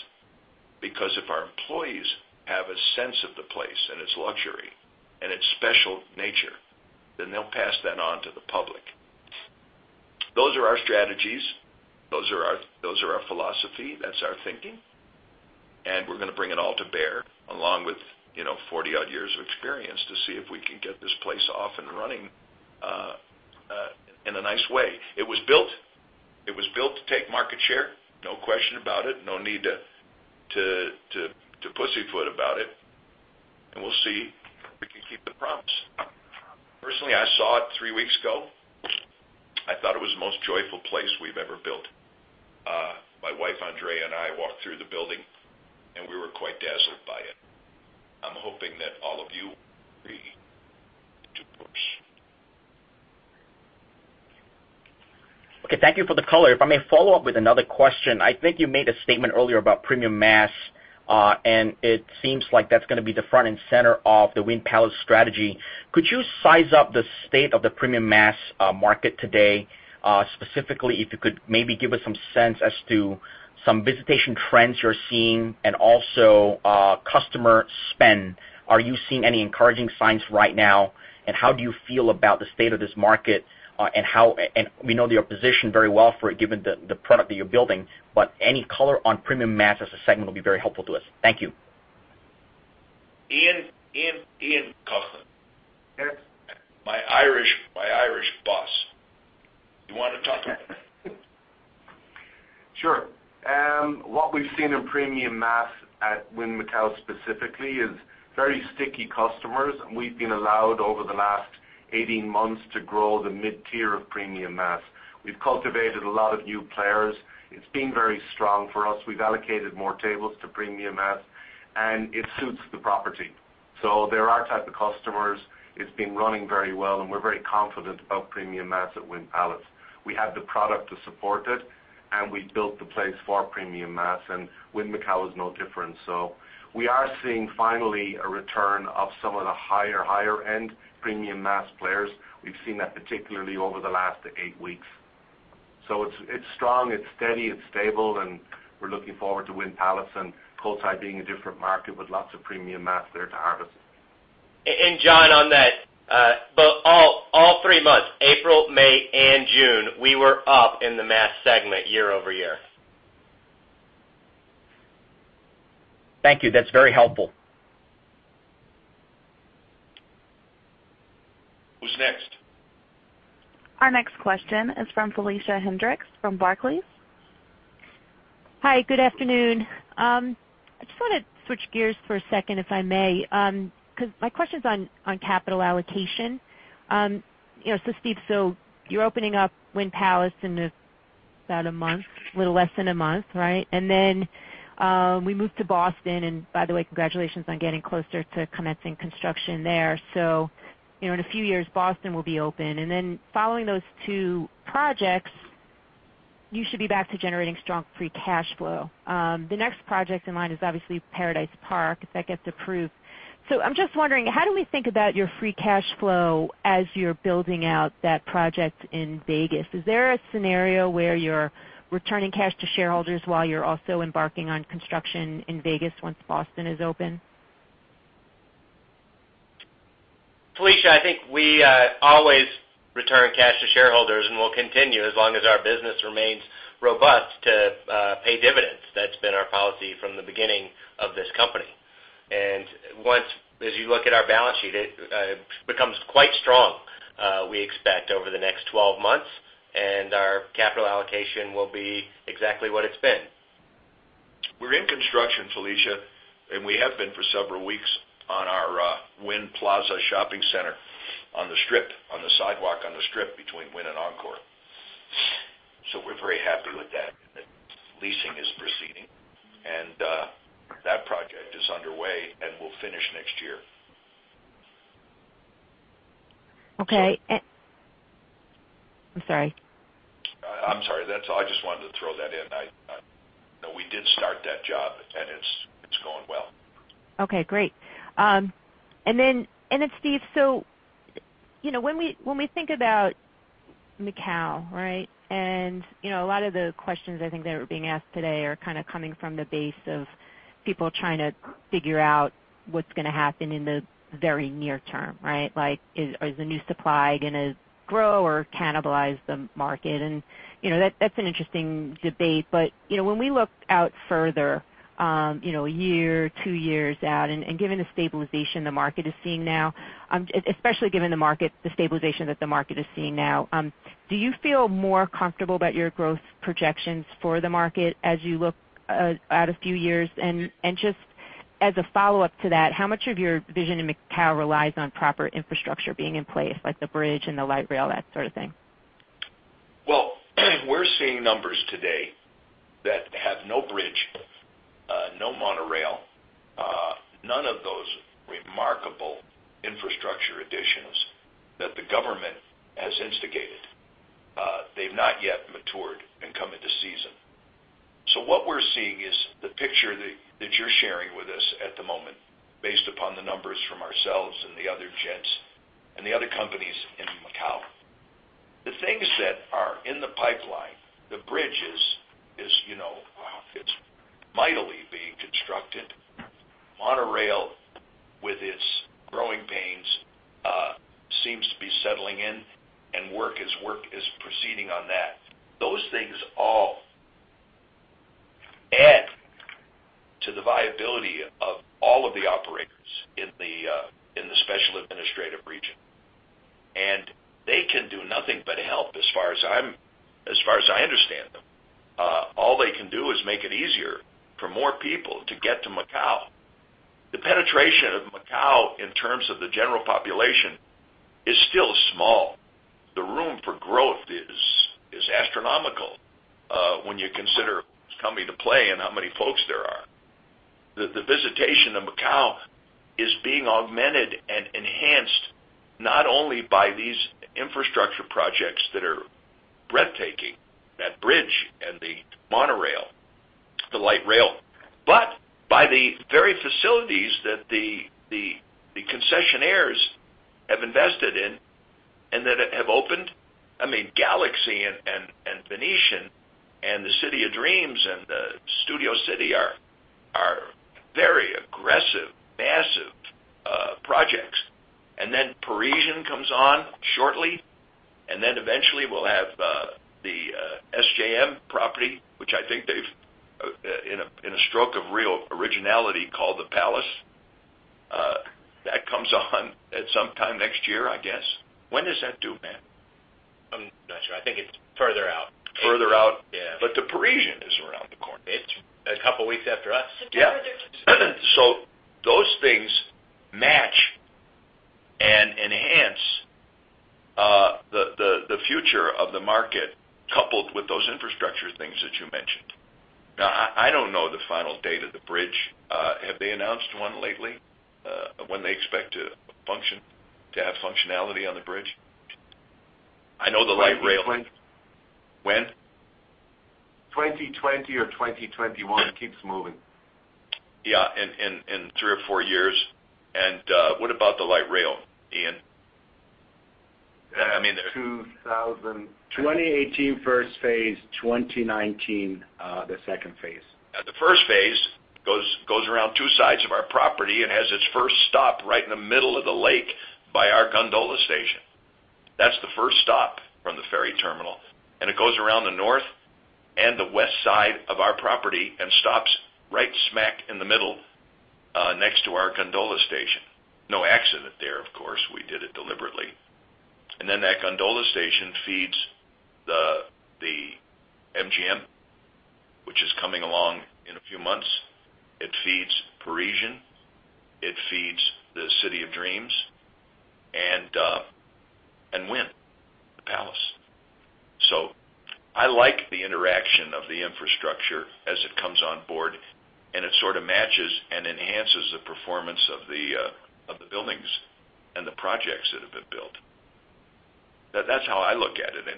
because if our employees have a sense of the place and its luxury and its special nature, they'll pass that on to the public. Those are our strategies, those are our philosophy, that's our thinking, and we're going to bring it all to bear along with 40-odd years of experience to see if we can get this place off and running in a nice way. It was built to take market share, no question about it. No need to pussyfoot about it. We'll see if we can keep the promise. Personally, I saw it three weeks ago. I thought it was the most joyful place we've ever built. My wife Andrea and I walked through the building, and we were quite dazzled by it. I'm hoping that all of you agree. Okay. Thank you for the color. If I may follow up with another question. I think you made a statement earlier about premium mass, and it seems like that's going to be the front and center of the Wynn Palace strategy. Could you size up the state of the premium mass market today? Specifically, if you could maybe give us some sense as to some visitation trends you're seeing and also customer spend. Are you seeing any encouraging signs right now? How do you feel about the state of this market? We know that you're positioned very well for it, given the product that you're building, but any color on premium mass as a segment will be very helpful to us. Thank you. Ian Coughlan. Irish by Irish boss. You want to talk about it? Sure. What we've seen in premium mass at Wynn Macau specifically is very sticky customers, and we've been allowed over the last 18 months to grow the mid-tier of premium mass. We've cultivated a lot of new players. It's been very strong for us. We've allocated more tables to premium mass, and it suits the property. They're our type of customers. It's been running very well, and we're very confident about premium mass at Wynn Palace. We have the product to support it, and we built the place for premium mass, and Wynn Macau is no different. We are seeing finally a return of some of the higher end premium mass players. We've seen that particularly over the last eight weeks. It's strong, it's steady, it's stable, and we're looking forward to Wynn Palace and Macau being a different market with lots of premium mass there to harvest. John Ho, on that, all three months, April, May, and June, we were up in the mass segment year-over-year. Thank you. That's very helpful. Who's next? Our next question is from Felicia Hendrix from Barclays. Hi. Good afternoon. I just want to switch gears for a second, if I may, because my question's on capital allocation. Steve, you're opening up Wynn Palace in about a month, a little less than a month, right? We move to Boston, and by the way, congratulations on getting closer to commencing construction there. In a few years, Boston will be open. Following those two projects, you should be back to generating strong free cash flow. The next project in line is obviously Paradise Park, if that gets approved. I'm just wondering, how do we think about your free cash flow as you're building out that project in Vegas? Is there a scenario where you're returning cash to shareholders while you're also embarking on construction in Vegas once Boston is open? Felicia, I think we always return cash to shareholders, and we'll continue as long as our business remains robust to pay dividends. That's been our policy from the beginning of this company. As you look at our balance sheet, it becomes quite strong, we expect, over the next 12 months, and our capital allocation will be exactly what it's been. We're in construction, Felicia, and we have been for several weeks on our Wynn Plaza shopping center on the Strip, on the sidewalk on the Strip between Wynn and Encore. We're very happy with that, and the leasing is proceeding. That project is underway and will finish next year. Okay. I'm sorry. I'm sorry. I just wanted to throw that in. We did start that job, it's going well. Okay, great. Steve, when we think about Macau, right? A lot of the questions I think that are being asked today are coming from the base of people trying to figure out what's going to happen in the very near term, right? Like, is the new supply going to grow or cannibalize the market? That's an interesting debate. When we look out further, a year, two years out, given the stabilization the market is seeing now, especially given the stabilization that the market is seeing now, do you feel more comfortable about your growth projections for the market as you look out a few years? Just as a follow-up to that, how much of your vision in Macau relies on proper infrastructure being in place, like the bridge and the light rail, that sort of thing? Well, we're seeing numbers today that have no bridge, no monorail, none of those remarkable infrastructure additions that the government has instigated. They've not yet matured and come into season. What we're seeing is the picture that you're sharing with us at the moment, based upon the numbers from ourselves and the other gents, and the other companies in Macau. The things that are in the pipeline, the bridge is mightily being constructed. Monorail, with its growing pains, seems to be settling in, and work is proceeding on that. Those things all add to the viability of all of the operators in the special administrative region, and they can do nothing but help as far as I understand them. All they can do is make it easier for more people to get to Macau. The penetration of Macau in terms of the general population is still small. The room for growth is astronomical when you consider what's coming to play and how many folks there are. The visitation of Macau is being augmented and enhanced not only by these infrastructure projects that are breathtaking, that bridge and the monorail, the light rail, but by the very facilities that the concessionaires have invested in and that have opened. Galaxy and Venetian and the City of Dreams and Studio City are very aggressive, massive projects. Parisian comes on shortly, and then eventually we'll have the SJM property, which I think they've, in a constructive, real origanality called, the Palace. That comes on at some time next year, I guess. When does that do, man? I'm not sure. I think it's further out. Further out? Yeah. The Parisian is around the corner. It's a couple of weeks after us. Yeah. Those things match and enhance the future of the market, coupled with those infrastructure things that you mentioned. Now, I don't know the final date of the bridge. Have they announced one lately, when they expect to have functionality on the bridge? I know the light rail- 2020. When? 2020 or 2021. It keeps moving. Yeah. In three or four years. What about the light rail, Ian? 2018, first phase. 2019, the second phase. The first phase goes around two sides of our property and has its first stop right in the middle of the lake by our gondola station. That's the first stop from the ferry terminal, and it goes around the north and the west side of our property and stops right smack in the middle, next to our gondola station. No accident there, of course. We did it deliberately. That gondola station feeds the MGM, which is coming along in a few months. It feeds Parisian, it feeds the City of Dreams, and Wynn Palace. I like the interaction of the infrastructure as it comes on board, and it sort of matches and enhances the performance of the buildings and the projects that have been built. That's how I look at it anyway.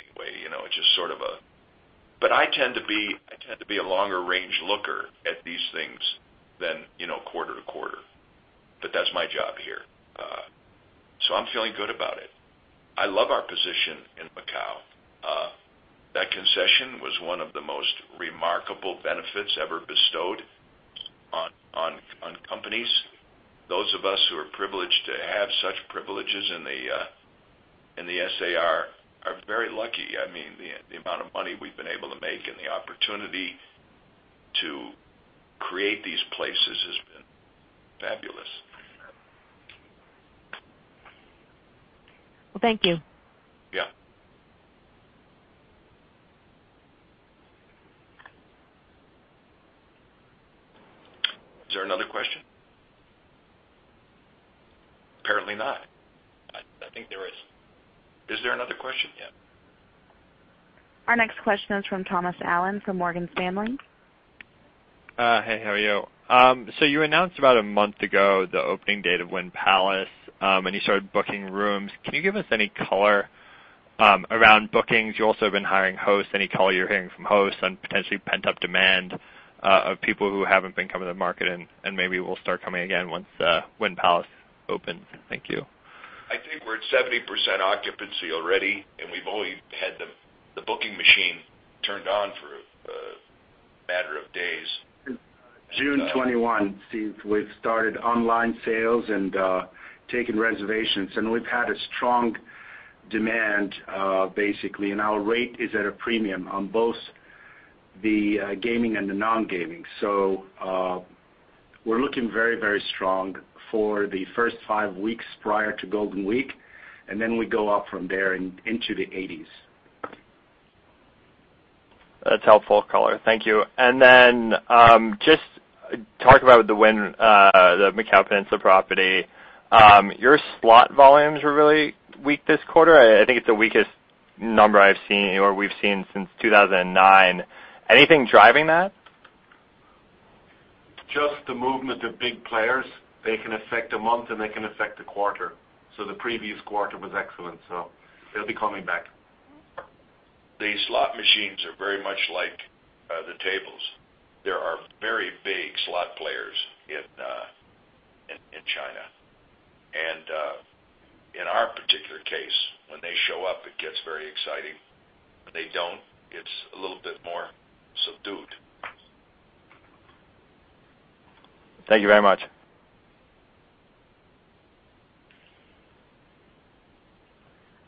I tend to be a longer range looker at these things than quarter to quarter. That's my job here. I'm feeling good about it. I love our position in Macau. That concession was one of the most remarkable benefits ever bestowed on companies. Those of us who are privileged to have such privileges in the SAR are very lucky. The amount of money we've been able to make and the opportunity to create these places has been fabulous. Well, thank you. Yeah. Is there another question? Apparently not. I think there is. Is there another question? Yeah. Our next question is from Thomas Allen from Morgan Stanley. Hey, how are you? You announced about a month ago the opening date of Wynn Palace, and you started booking rooms. Can you give us any color around bookings? You also have been hiring hosts. Any color you're hearing from hosts on potentially pent-up demand of people who haven't been coming to the market and maybe will start coming again once Wynn Palace opens. Thank you. I think we're at 70% occupancy already. We've only had the booking machine turned on for a matter of days. June 21 since we've started online sales and taken reservations. We've had a strong demand, basically. Our rate is at a premium on both the gaming and the non-gaming. We're looking very strong for the first five weeks prior to Golden Week. Then we go up from there and into the 80s. That's helpful color. Thank you. Then, just talk about the Wynn, the Macau Peninsula property. Your slot volumes were really weak this quarter. I think it's the weakest number I've seen or we've seen since 2009. Anything driving that? Just the movement of big players. They can affect a month. They can affect a quarter. The previous quarter was excellent. They'll be coming back. The slot machines are very much like the tables. There are very big slot players in China. In our particular case, when they show up, it's very exciting. When they don't, it's a little bit more subdued. Thank you very much.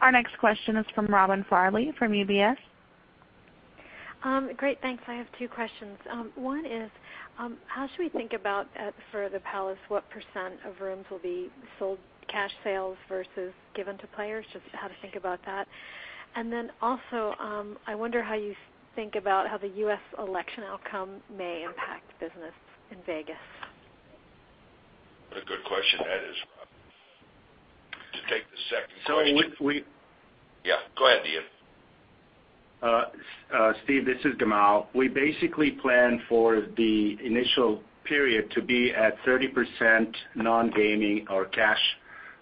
Our next question is from Robin Farley from UBS. Great. Thanks. I have two questions. One is, how should we think about, for the Palace, what % of rooms will be sold cash sales versus given to players, just how to think about that. Then also, I wonder how you think about how the U.S. election outcome may impact business in Vegas. What a good question that is, Robin. To take the second question. We. Yeah, go ahead, Ian. Steve, this is Gamal. We basically plan for the initial period to be at 30% non-gaming or cash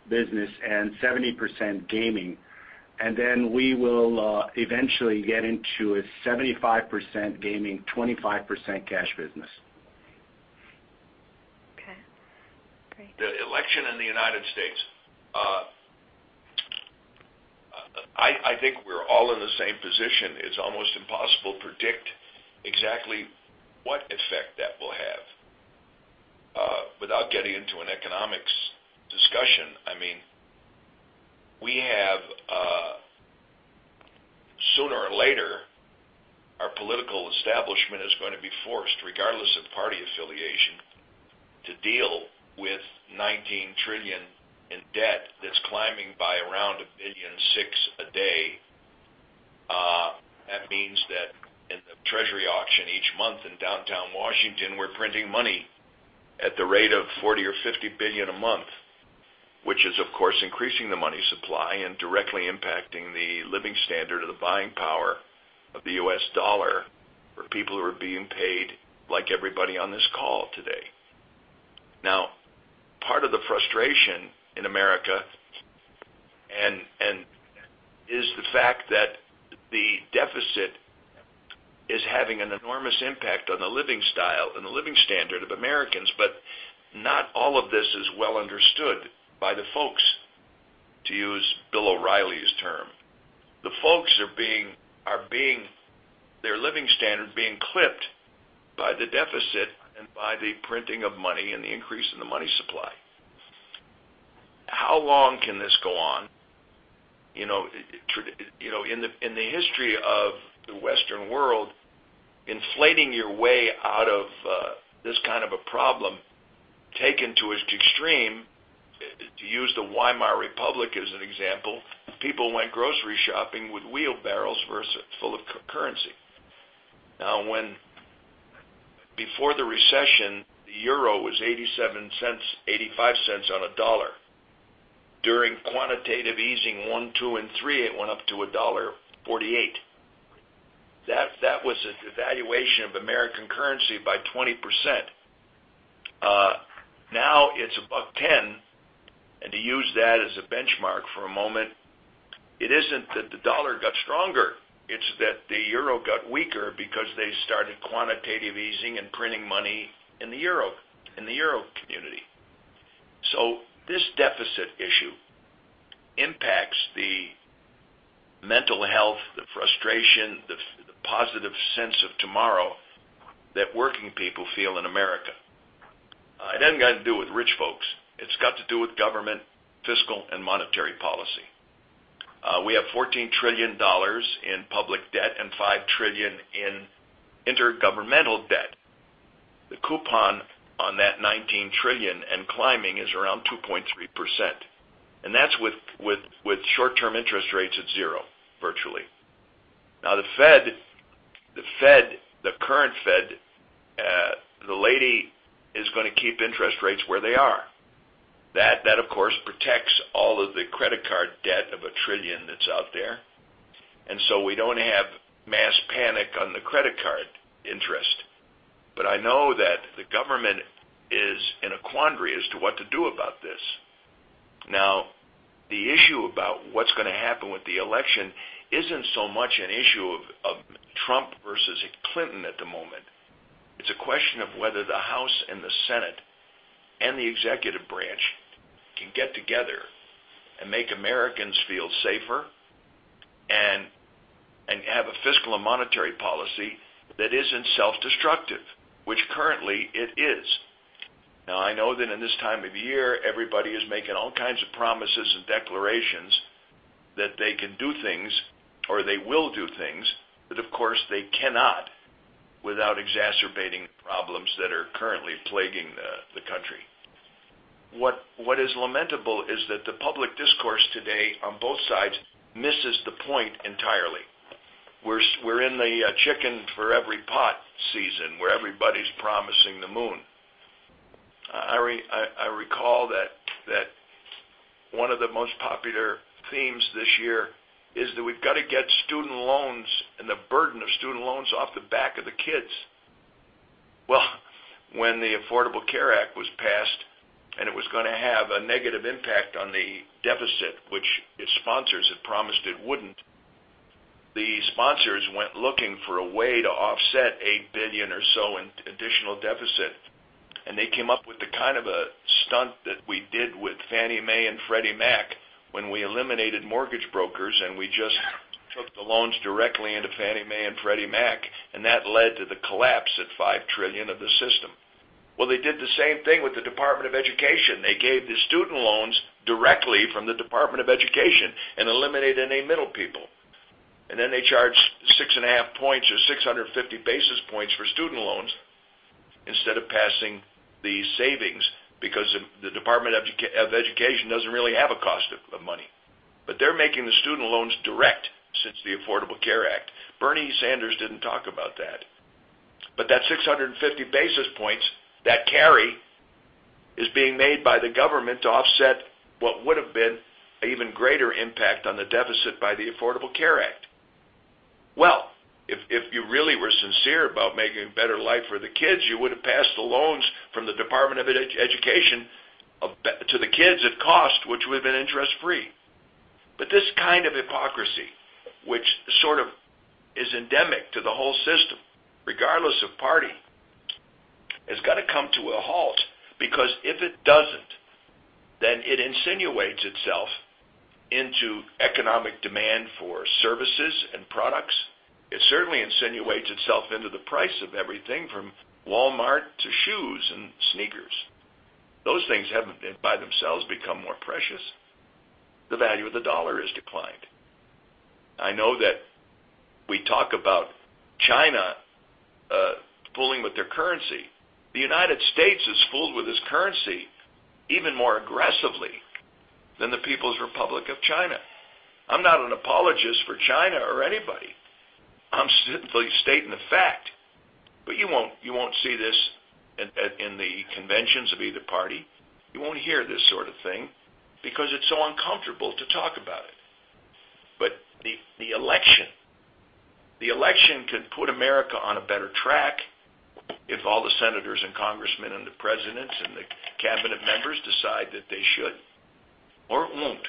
business and 70% gaming. Then we will eventually get into a 75% gaming, 25% cash business. Okay, great. The election in the U.S. I think we're all in the same position. It's almost impossible to predict exactly what effect that will have. Without getting into an economics discussion, I mean our political establishment is going to be forced, regardless of party affiliation, to deal with $19 trillion in debt that's climbing by around $1.6 billion a day. That means that in the treasury auction each month in downtown Washington, we're printing money at the rate of $40 or $50 billion a month, which is, of course, increasing the money supply and directly impacting the living standard or the buying power of the U.S. dollar for people who are being paid, like everybody on this call today. Part of the frustration in America is the fact that the deficit is having an enormous impact on the living style and the living standard of Americans, but not all of this is well understood by the folks, to use Bill O'Reilly's term. The folks, their living standard, being clipped by the deficit and by the printing of money and the increase in the money supply. How long can this go on? In the history of the Western world, inflating your way out of this kind of a problem, taken to its extreme, to use the Weimar Republic as an example, people went grocery shopping with wheelbarrows full of currency. Before the recession, the euro was $0.85 on a dollar. During quantitative easing one, two, and three, it went up to $1.48. That was a devaluation of American currency by 20%. It's $1.10, to use that as a benchmark for a moment, it isn't that the dollar got stronger, it's that the euro got weaker because they started quantitative easing and printing money in the Euro community. This deficit issue impacts the mental health, the frustration, the positive sense of tomorrow that working people feel in America. It hasn't got to do with rich folks. It's got to do with government, fiscal, and monetary policy. We have $14 trillion in public debt and $5 trillion in intergovernmental debt. The coupon on that $19 trillion and climbing is around 2.3%, and that's with short-term interest rates at zero, virtually. The Fed, the current Fed, the lady is going to keep interest rates where they are. That, of course, protects all of the credit card debt of $1 trillion that's out there. So we don't have mass panic on the credit card interest. I know that the government is in a quandary as to what to do about this. The issue about what's going to happen with the election isn't so much an issue of Trump versus Clinton at the moment. It's a question of whether the House and the Senate and the executive branch can get together and make Americans feel safer and have a fiscal and monetary policy that isn't self-destructive, which currently it is. I know that in this time of year, everybody is making all kinds of promises and declarations that they can do things or they will do things that, of course, they cannot, without exacerbating the problems that are currently plaguing the country. What is lamentable is that the public discourse today on both sides misses the point entirely. We're in the chicken for every pot season, where everybody's promising the moon. I recall that one of the most popular themes this year is that we've got to get student loans and the burden of student loans off the back of the kids. When the Affordable Care Act was passed, and it was going to have a negative impact on the deficit, which its sponsors had promised it wouldn't, the sponsors went looking for a way to offset $8 billion or so in additional deficit. They came up with the kind of a stunt that we did with Fannie Mae and Freddie Mac when we eliminated mortgage brokers, and we just took the loans directly into Fannie Mae and Freddie Mac, and that led to the collapse at $5 trillion of the system. They did the same thing with the Department of Education. They gave the student loans directly from the Department of Education and eliminated any middle people. Then they charged six and a half points or 650 basis points for student loans instead of passing the savings, because the Department of Education doesn't really have a cost of money. They're making the student loans direct since the Affordable Care Act. Bernie Sanders didn't talk about that. That 650 basis points, that carry, is being made by the government to offset what would've been an even greater impact on the deficit by the Affordable Care Act. If you really were sincere about making a better life for the kids, you would have passed the loans from the Department of Education to the kids at cost, which would have been interest-free. This kind of hypocrisy, which sort of is endemic to the whole system, regardless of party, has got to come to a halt, because if it doesn't, then it insinuates itself into economic demand for services and products. It certainly insinuates itself into the price of everything from Walmart to shoes and sneakers. Those things haven't, by themselves, become more precious. The value of the dollar has declined. I know that we talk about China fooling with their currency. The United States has fooled with its currency even more aggressively than the People's Republic of China. I'm not an apologist for China or anybody. I'm simply stating a fact. You won't see this in the conventions of either party. You won't hear this sort of thing because it's so uncomfortable to talk about it. The election could put America on a better track if all the senators and congressmen and the presidents and the cabinet members decide that they should or it won't.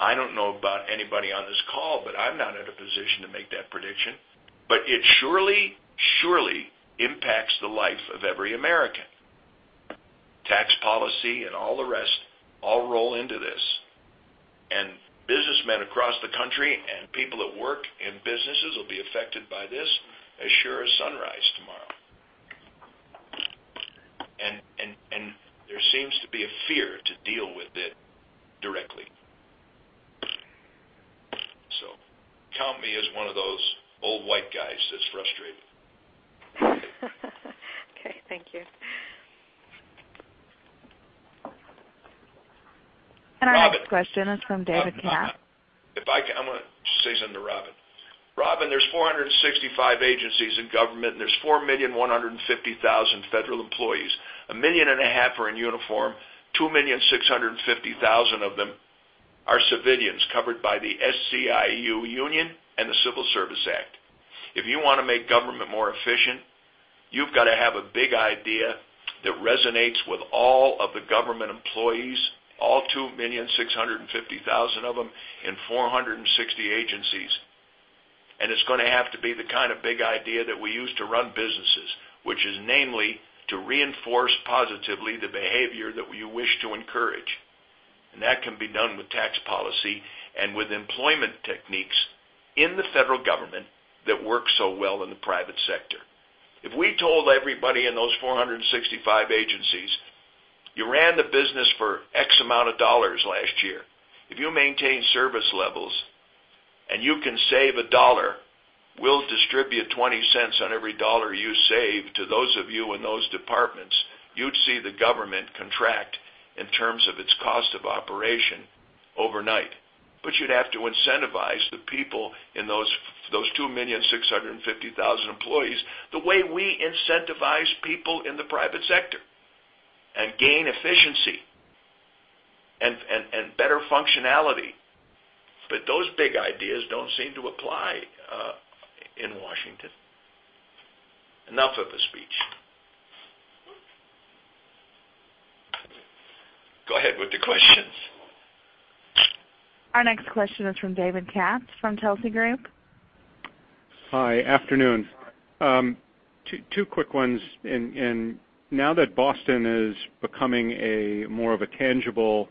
I don't know about anybody on this call, but I'm not in a position to make that prediction. It surely impacts the life of every American. Tax policy and all the rest all roll into this. Businessmen across the country and people that work in businesses will be affected by this as sure as sunrise tomorrow. There seems to be a fear to deal with it directly. Count me as one of those old white guys that's frustrated. Okay. Thank you. Our next question is from David Katz. If I can, I'm going to say something to Robin. Robin, there's 465 agencies in government, and there's 4,150,000 federal employees. 1.5 million are in uniform. 2,650,000 of them are civilians covered by the SEIU Union and the Civil Service Act. If you want to make government more efficient, you've got to have a big idea that resonates with all of the government employees, all 2,650,000 of them in 465 agencies. It's going to have to be the kind of big idea that we use to run businesses. Which is namely, to reinforce positively the behavior that we wish to encourage. That can be done with tax policy and with employment techniques in the federal government that works so well in the private sector. If we told everybody in those 465 agencies, "You ran the business for X amount of dollars last year. If you maintain service levels and you can save $1, we'll distribute $0.20 on every $1 you save to those of you in those departments." You'd see the government contract in terms of its cost of operation overnight. You'd have to incentivize the people in those 2,650,000 employees the way we incentivize people in the private sector and gain efficiency and better functionality. Those big ideas don't seem to apply in Washington. Enough of the speech. Go ahead with the questions. Our next question is from David Katz from Telsey Group. Hi. Afternoon. Two quick ones. Now that Boston is becoming a more of a tangible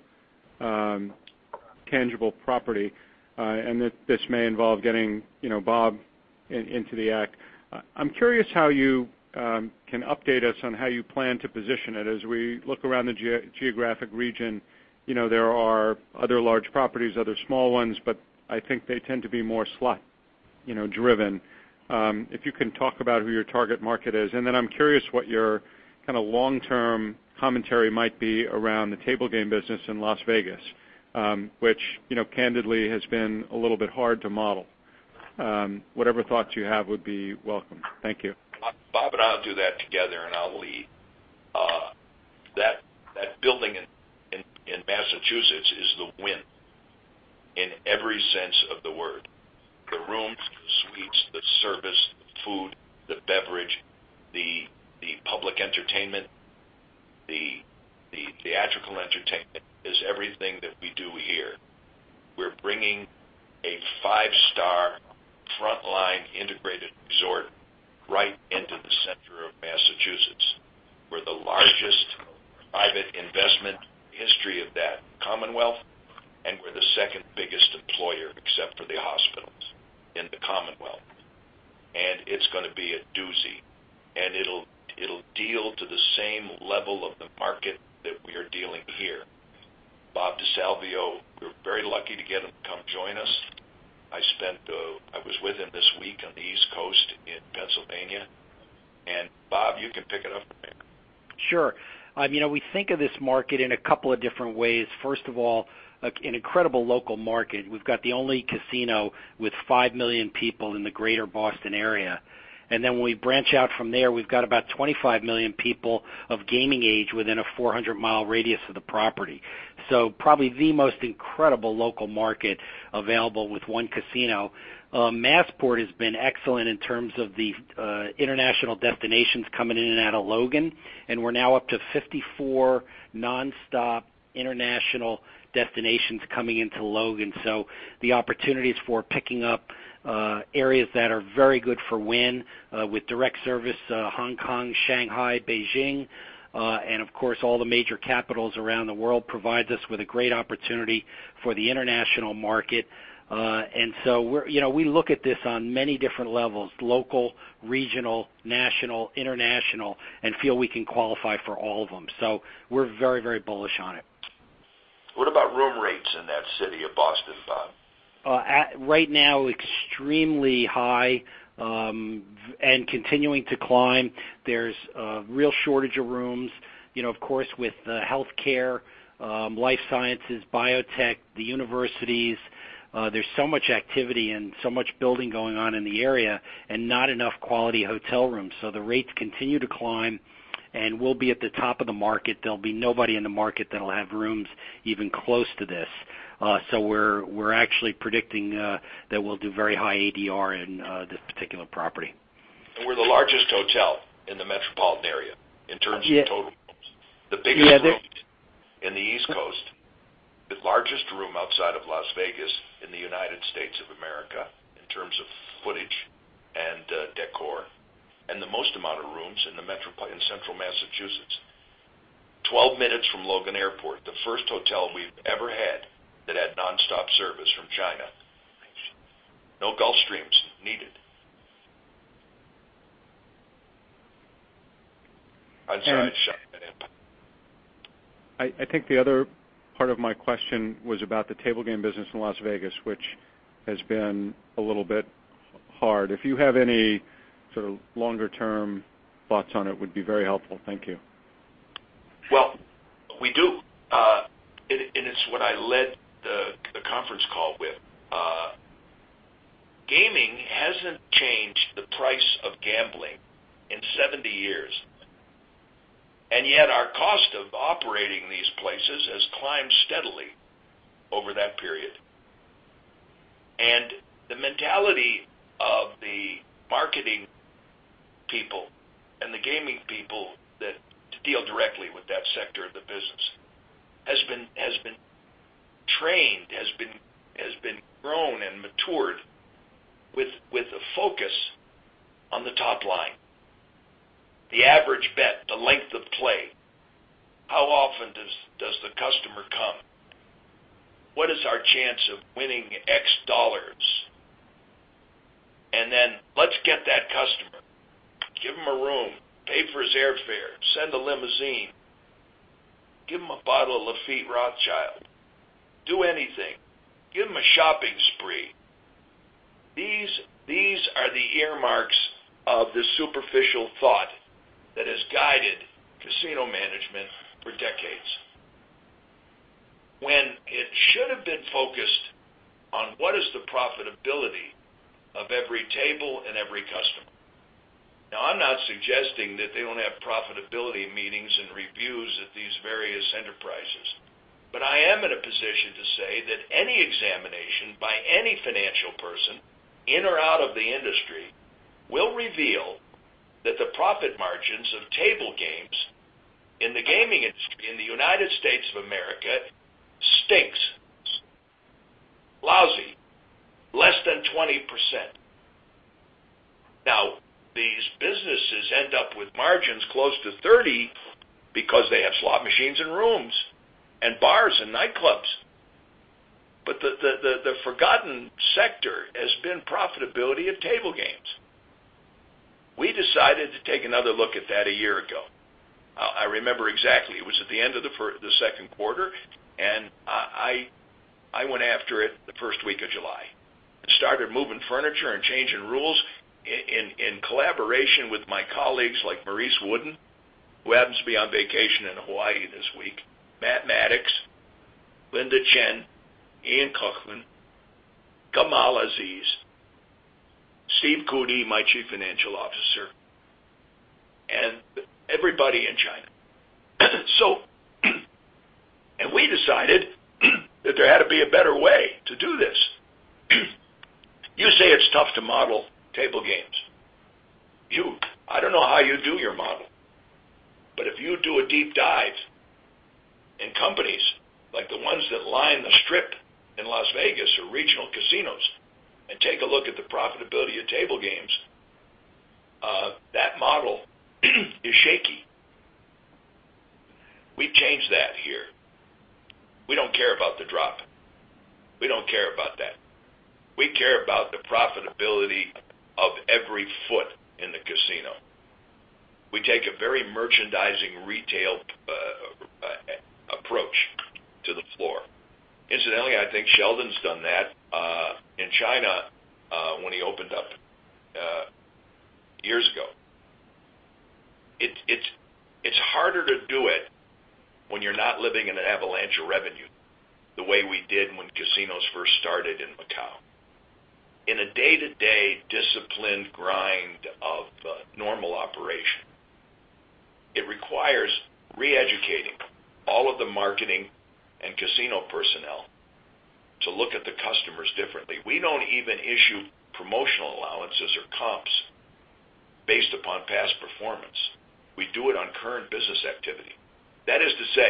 property, this may involve getting Bob into the act. I'm curious how you can update us on how you plan to position it as we look around the geographic region. There are other large properties, other small ones, but I think they tend to be more slot driven. If you can talk about who your target market is, then I'm curious what your kind of long-term commentary might be around the table game business in Las Vegas, which candidly has been a little bit hard to model. Whatever thoughts you have would be welcome. Thank you. Bob, I'll do that together, and I'll lead. That building in Massachusetts is the Wynn in every sense of the word. The rooms, the suites, the service, the food, the beverage, the public entertainment, the theatrical entertainment is everything that we do here. We're bringing a five-star frontline integrated resort right into the center of Massachusetts. We're the largest private investment in the history of that commonwealth, and we're the second biggest employer, except for the hospitals in the commonwealth. It's going to be a doozy. It'll deal to the same level of the market that we are dealing here. Bob DeSalvio, we're very lucky to get him to come join us. I was with him this week on the East Coast in Pennsylvania. Bob, you can pick it up from here. Sure. We think of this market in a couple of different ways. First of all, an incredible local market. We've got the only casino with 5 million people in the greater Boston area. When we branch out from there, we've got about 25 million people of gaming age within a 400-mile radius of the property. Probably the most incredible local market available with one casino. Massport has been excellent in terms of the international destinations coming in and out of Logan, and we're now up to 54 nonstop international destinations coming into Logan. The opportunities for picking up areas that are very good for Wynn with direct service, Hong Kong, Shanghai, Beijing, and of course all the major capitals around the world, provides us with a great opportunity for the international market. We look at this on many different levels, local, regional, national, international, and feel we can qualify for all of them. We're very bullish on it. What about room rates in that city of Boston, Bob? Right now, extremely high and continuing to climb. There's a real shortage of rooms. Of course, with the healthcare, life sciences, biotech, the universities, there's so much activity and so much building going on in the area, and not enough quality hotel rooms. The rates continue to climb, and we'll be at the top of the market. There'll be nobody in the market that'll have rooms even close to this. We're actually predicting that we'll do very high ADR in this particular property. We're the largest hotel in the metropolitan area in terms of total rooms. The biggest room in the East Coast, the largest room outside of Las Vegas in the United States of America in terms of footage and decor, and the most amount of rooms in Central Massachusetts. 12 minutes from Logan Airport, the first hotel we've ever had that had nonstop service from China. No Gulfstreams needed. I'm sorry, Shaun. I think the other part of my question was about the table game business in Las Vegas, which has been a little bit hard. If you have any sort of longer-term thoughts on it, would be very helpful. Thank you. Well, we do. It's what I led the conference call with. Gaming hasn't changed the price of gambling in 70 years, yet our cost of operating these places has climbed steadily over that period. The mentality of the marketing people and the gaming people that deal directly with that sector of the business has been trained, has been grown and matured with a focus on the top line, the average bet, the length of play. How often does the customer come? What is our chance of winning X dollars? Let's get that customer, give him a room, pay for his airfare, send a limousine, give him a bottle of Lafite Rothschild. Do anything. Give him a shopping spree. These are the earmarks of the superficial thought that has guided casino management for decades, when it should have been focused on what is the profitability of every table and every customer. Now, I'm not suggesting that they don't have profitability meetings and reviews at these various enterprises, but I am in a position to say that any examination by any financial person in or out of the industry will reveal that the profit margins of table games in the gaming industry in the United States of America stinks. Lousy. Less than 20%. Now, these businesses end up with margins close to 30 because they have slot machines and rooms and bars and nightclubs. The forgotten sector has been profitability of table games. We decided to take another look at that a year ago. I remember exactly. It was at the end of the second quarter. I went after it the first week of July and started moving furniture and changing rules in collaboration with my colleagues like Maurice Wooden, who happens to be on vacation in Hawaii this week, Matt Maddox, Linda Chen, Ian Coughlan, Gamal Aziz, Steve Cootey, my Chief Financial Officer, and everybody in China. We decided that there had to be a better way to do this. You say it's tough to model table games. I don't know how you do your model, but if you do a deep dive in companies like the ones that line the Strip in Las Vegas or regional casinos, take a look at the profitability of table games, that model is shaky. We've changed that here. We don't care about the drop. We don't care about that. We care about the profitability of every foot in the casino. We take a very merchandising retail approach to the floor. Incidentally, I think Sheldon's done that in China when he opened up years ago. It's harder to do it when you're not living in an avalanche of revenue the way we did when casinos first started in Macau. In a day-to-day disciplined grind of normal operation, it requires re-educating all of the marketing and casino personnel to look at the customers differently. We don't even issue promotional allowances or comps based upon past performance. We do it on current business activity. That is to say,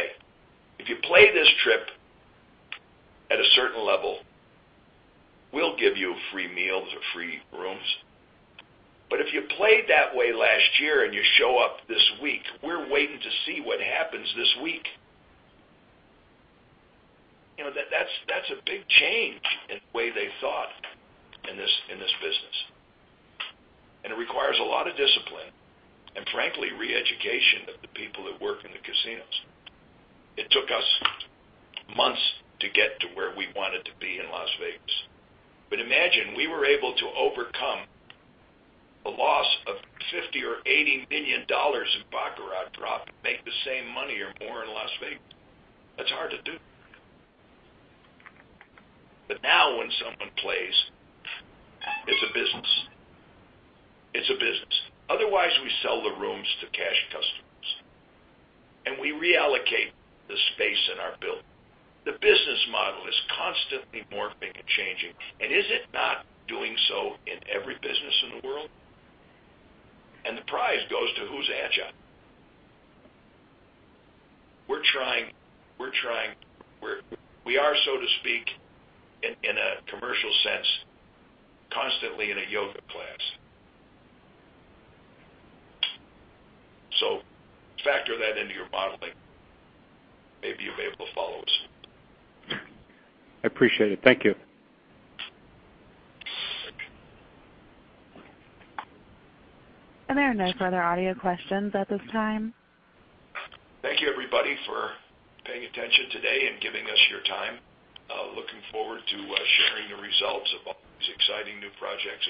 if you play this trip at a certain level, we'll give you free meals or free rooms. If you played that way last year and you show up this week, we're waiting to see what happens this week. That's a big change in the way they thought in this business. It requires a lot of discipline and frankly, re-education of the people that work in the casinos. It took us months to get to where we wanted to be in Las Vegas. Imagine we were able to overcome a loss of $50 million or $80 million in baccarat drop and make the same money or more in Las Vegas. That's hard to do. Now when someone plays, it's a business. Otherwise, we sell the rooms to cash customers, and we reallocate the space in our building. The business model is constantly morphing and changing, and is it not doing so in every business in the world? The prize goes to who's agile. We're trying. We are, so to speak, in a commercial sense, constantly in a yoga class. Factor that into your modeling. Maybe you'll be able to follow us. I appreciate it. Thank you. There are no further audio questions at this time. Thank you, everybody, for paying attention today and giving us your time. Looking forward to sharing the results of all these exciting new projects.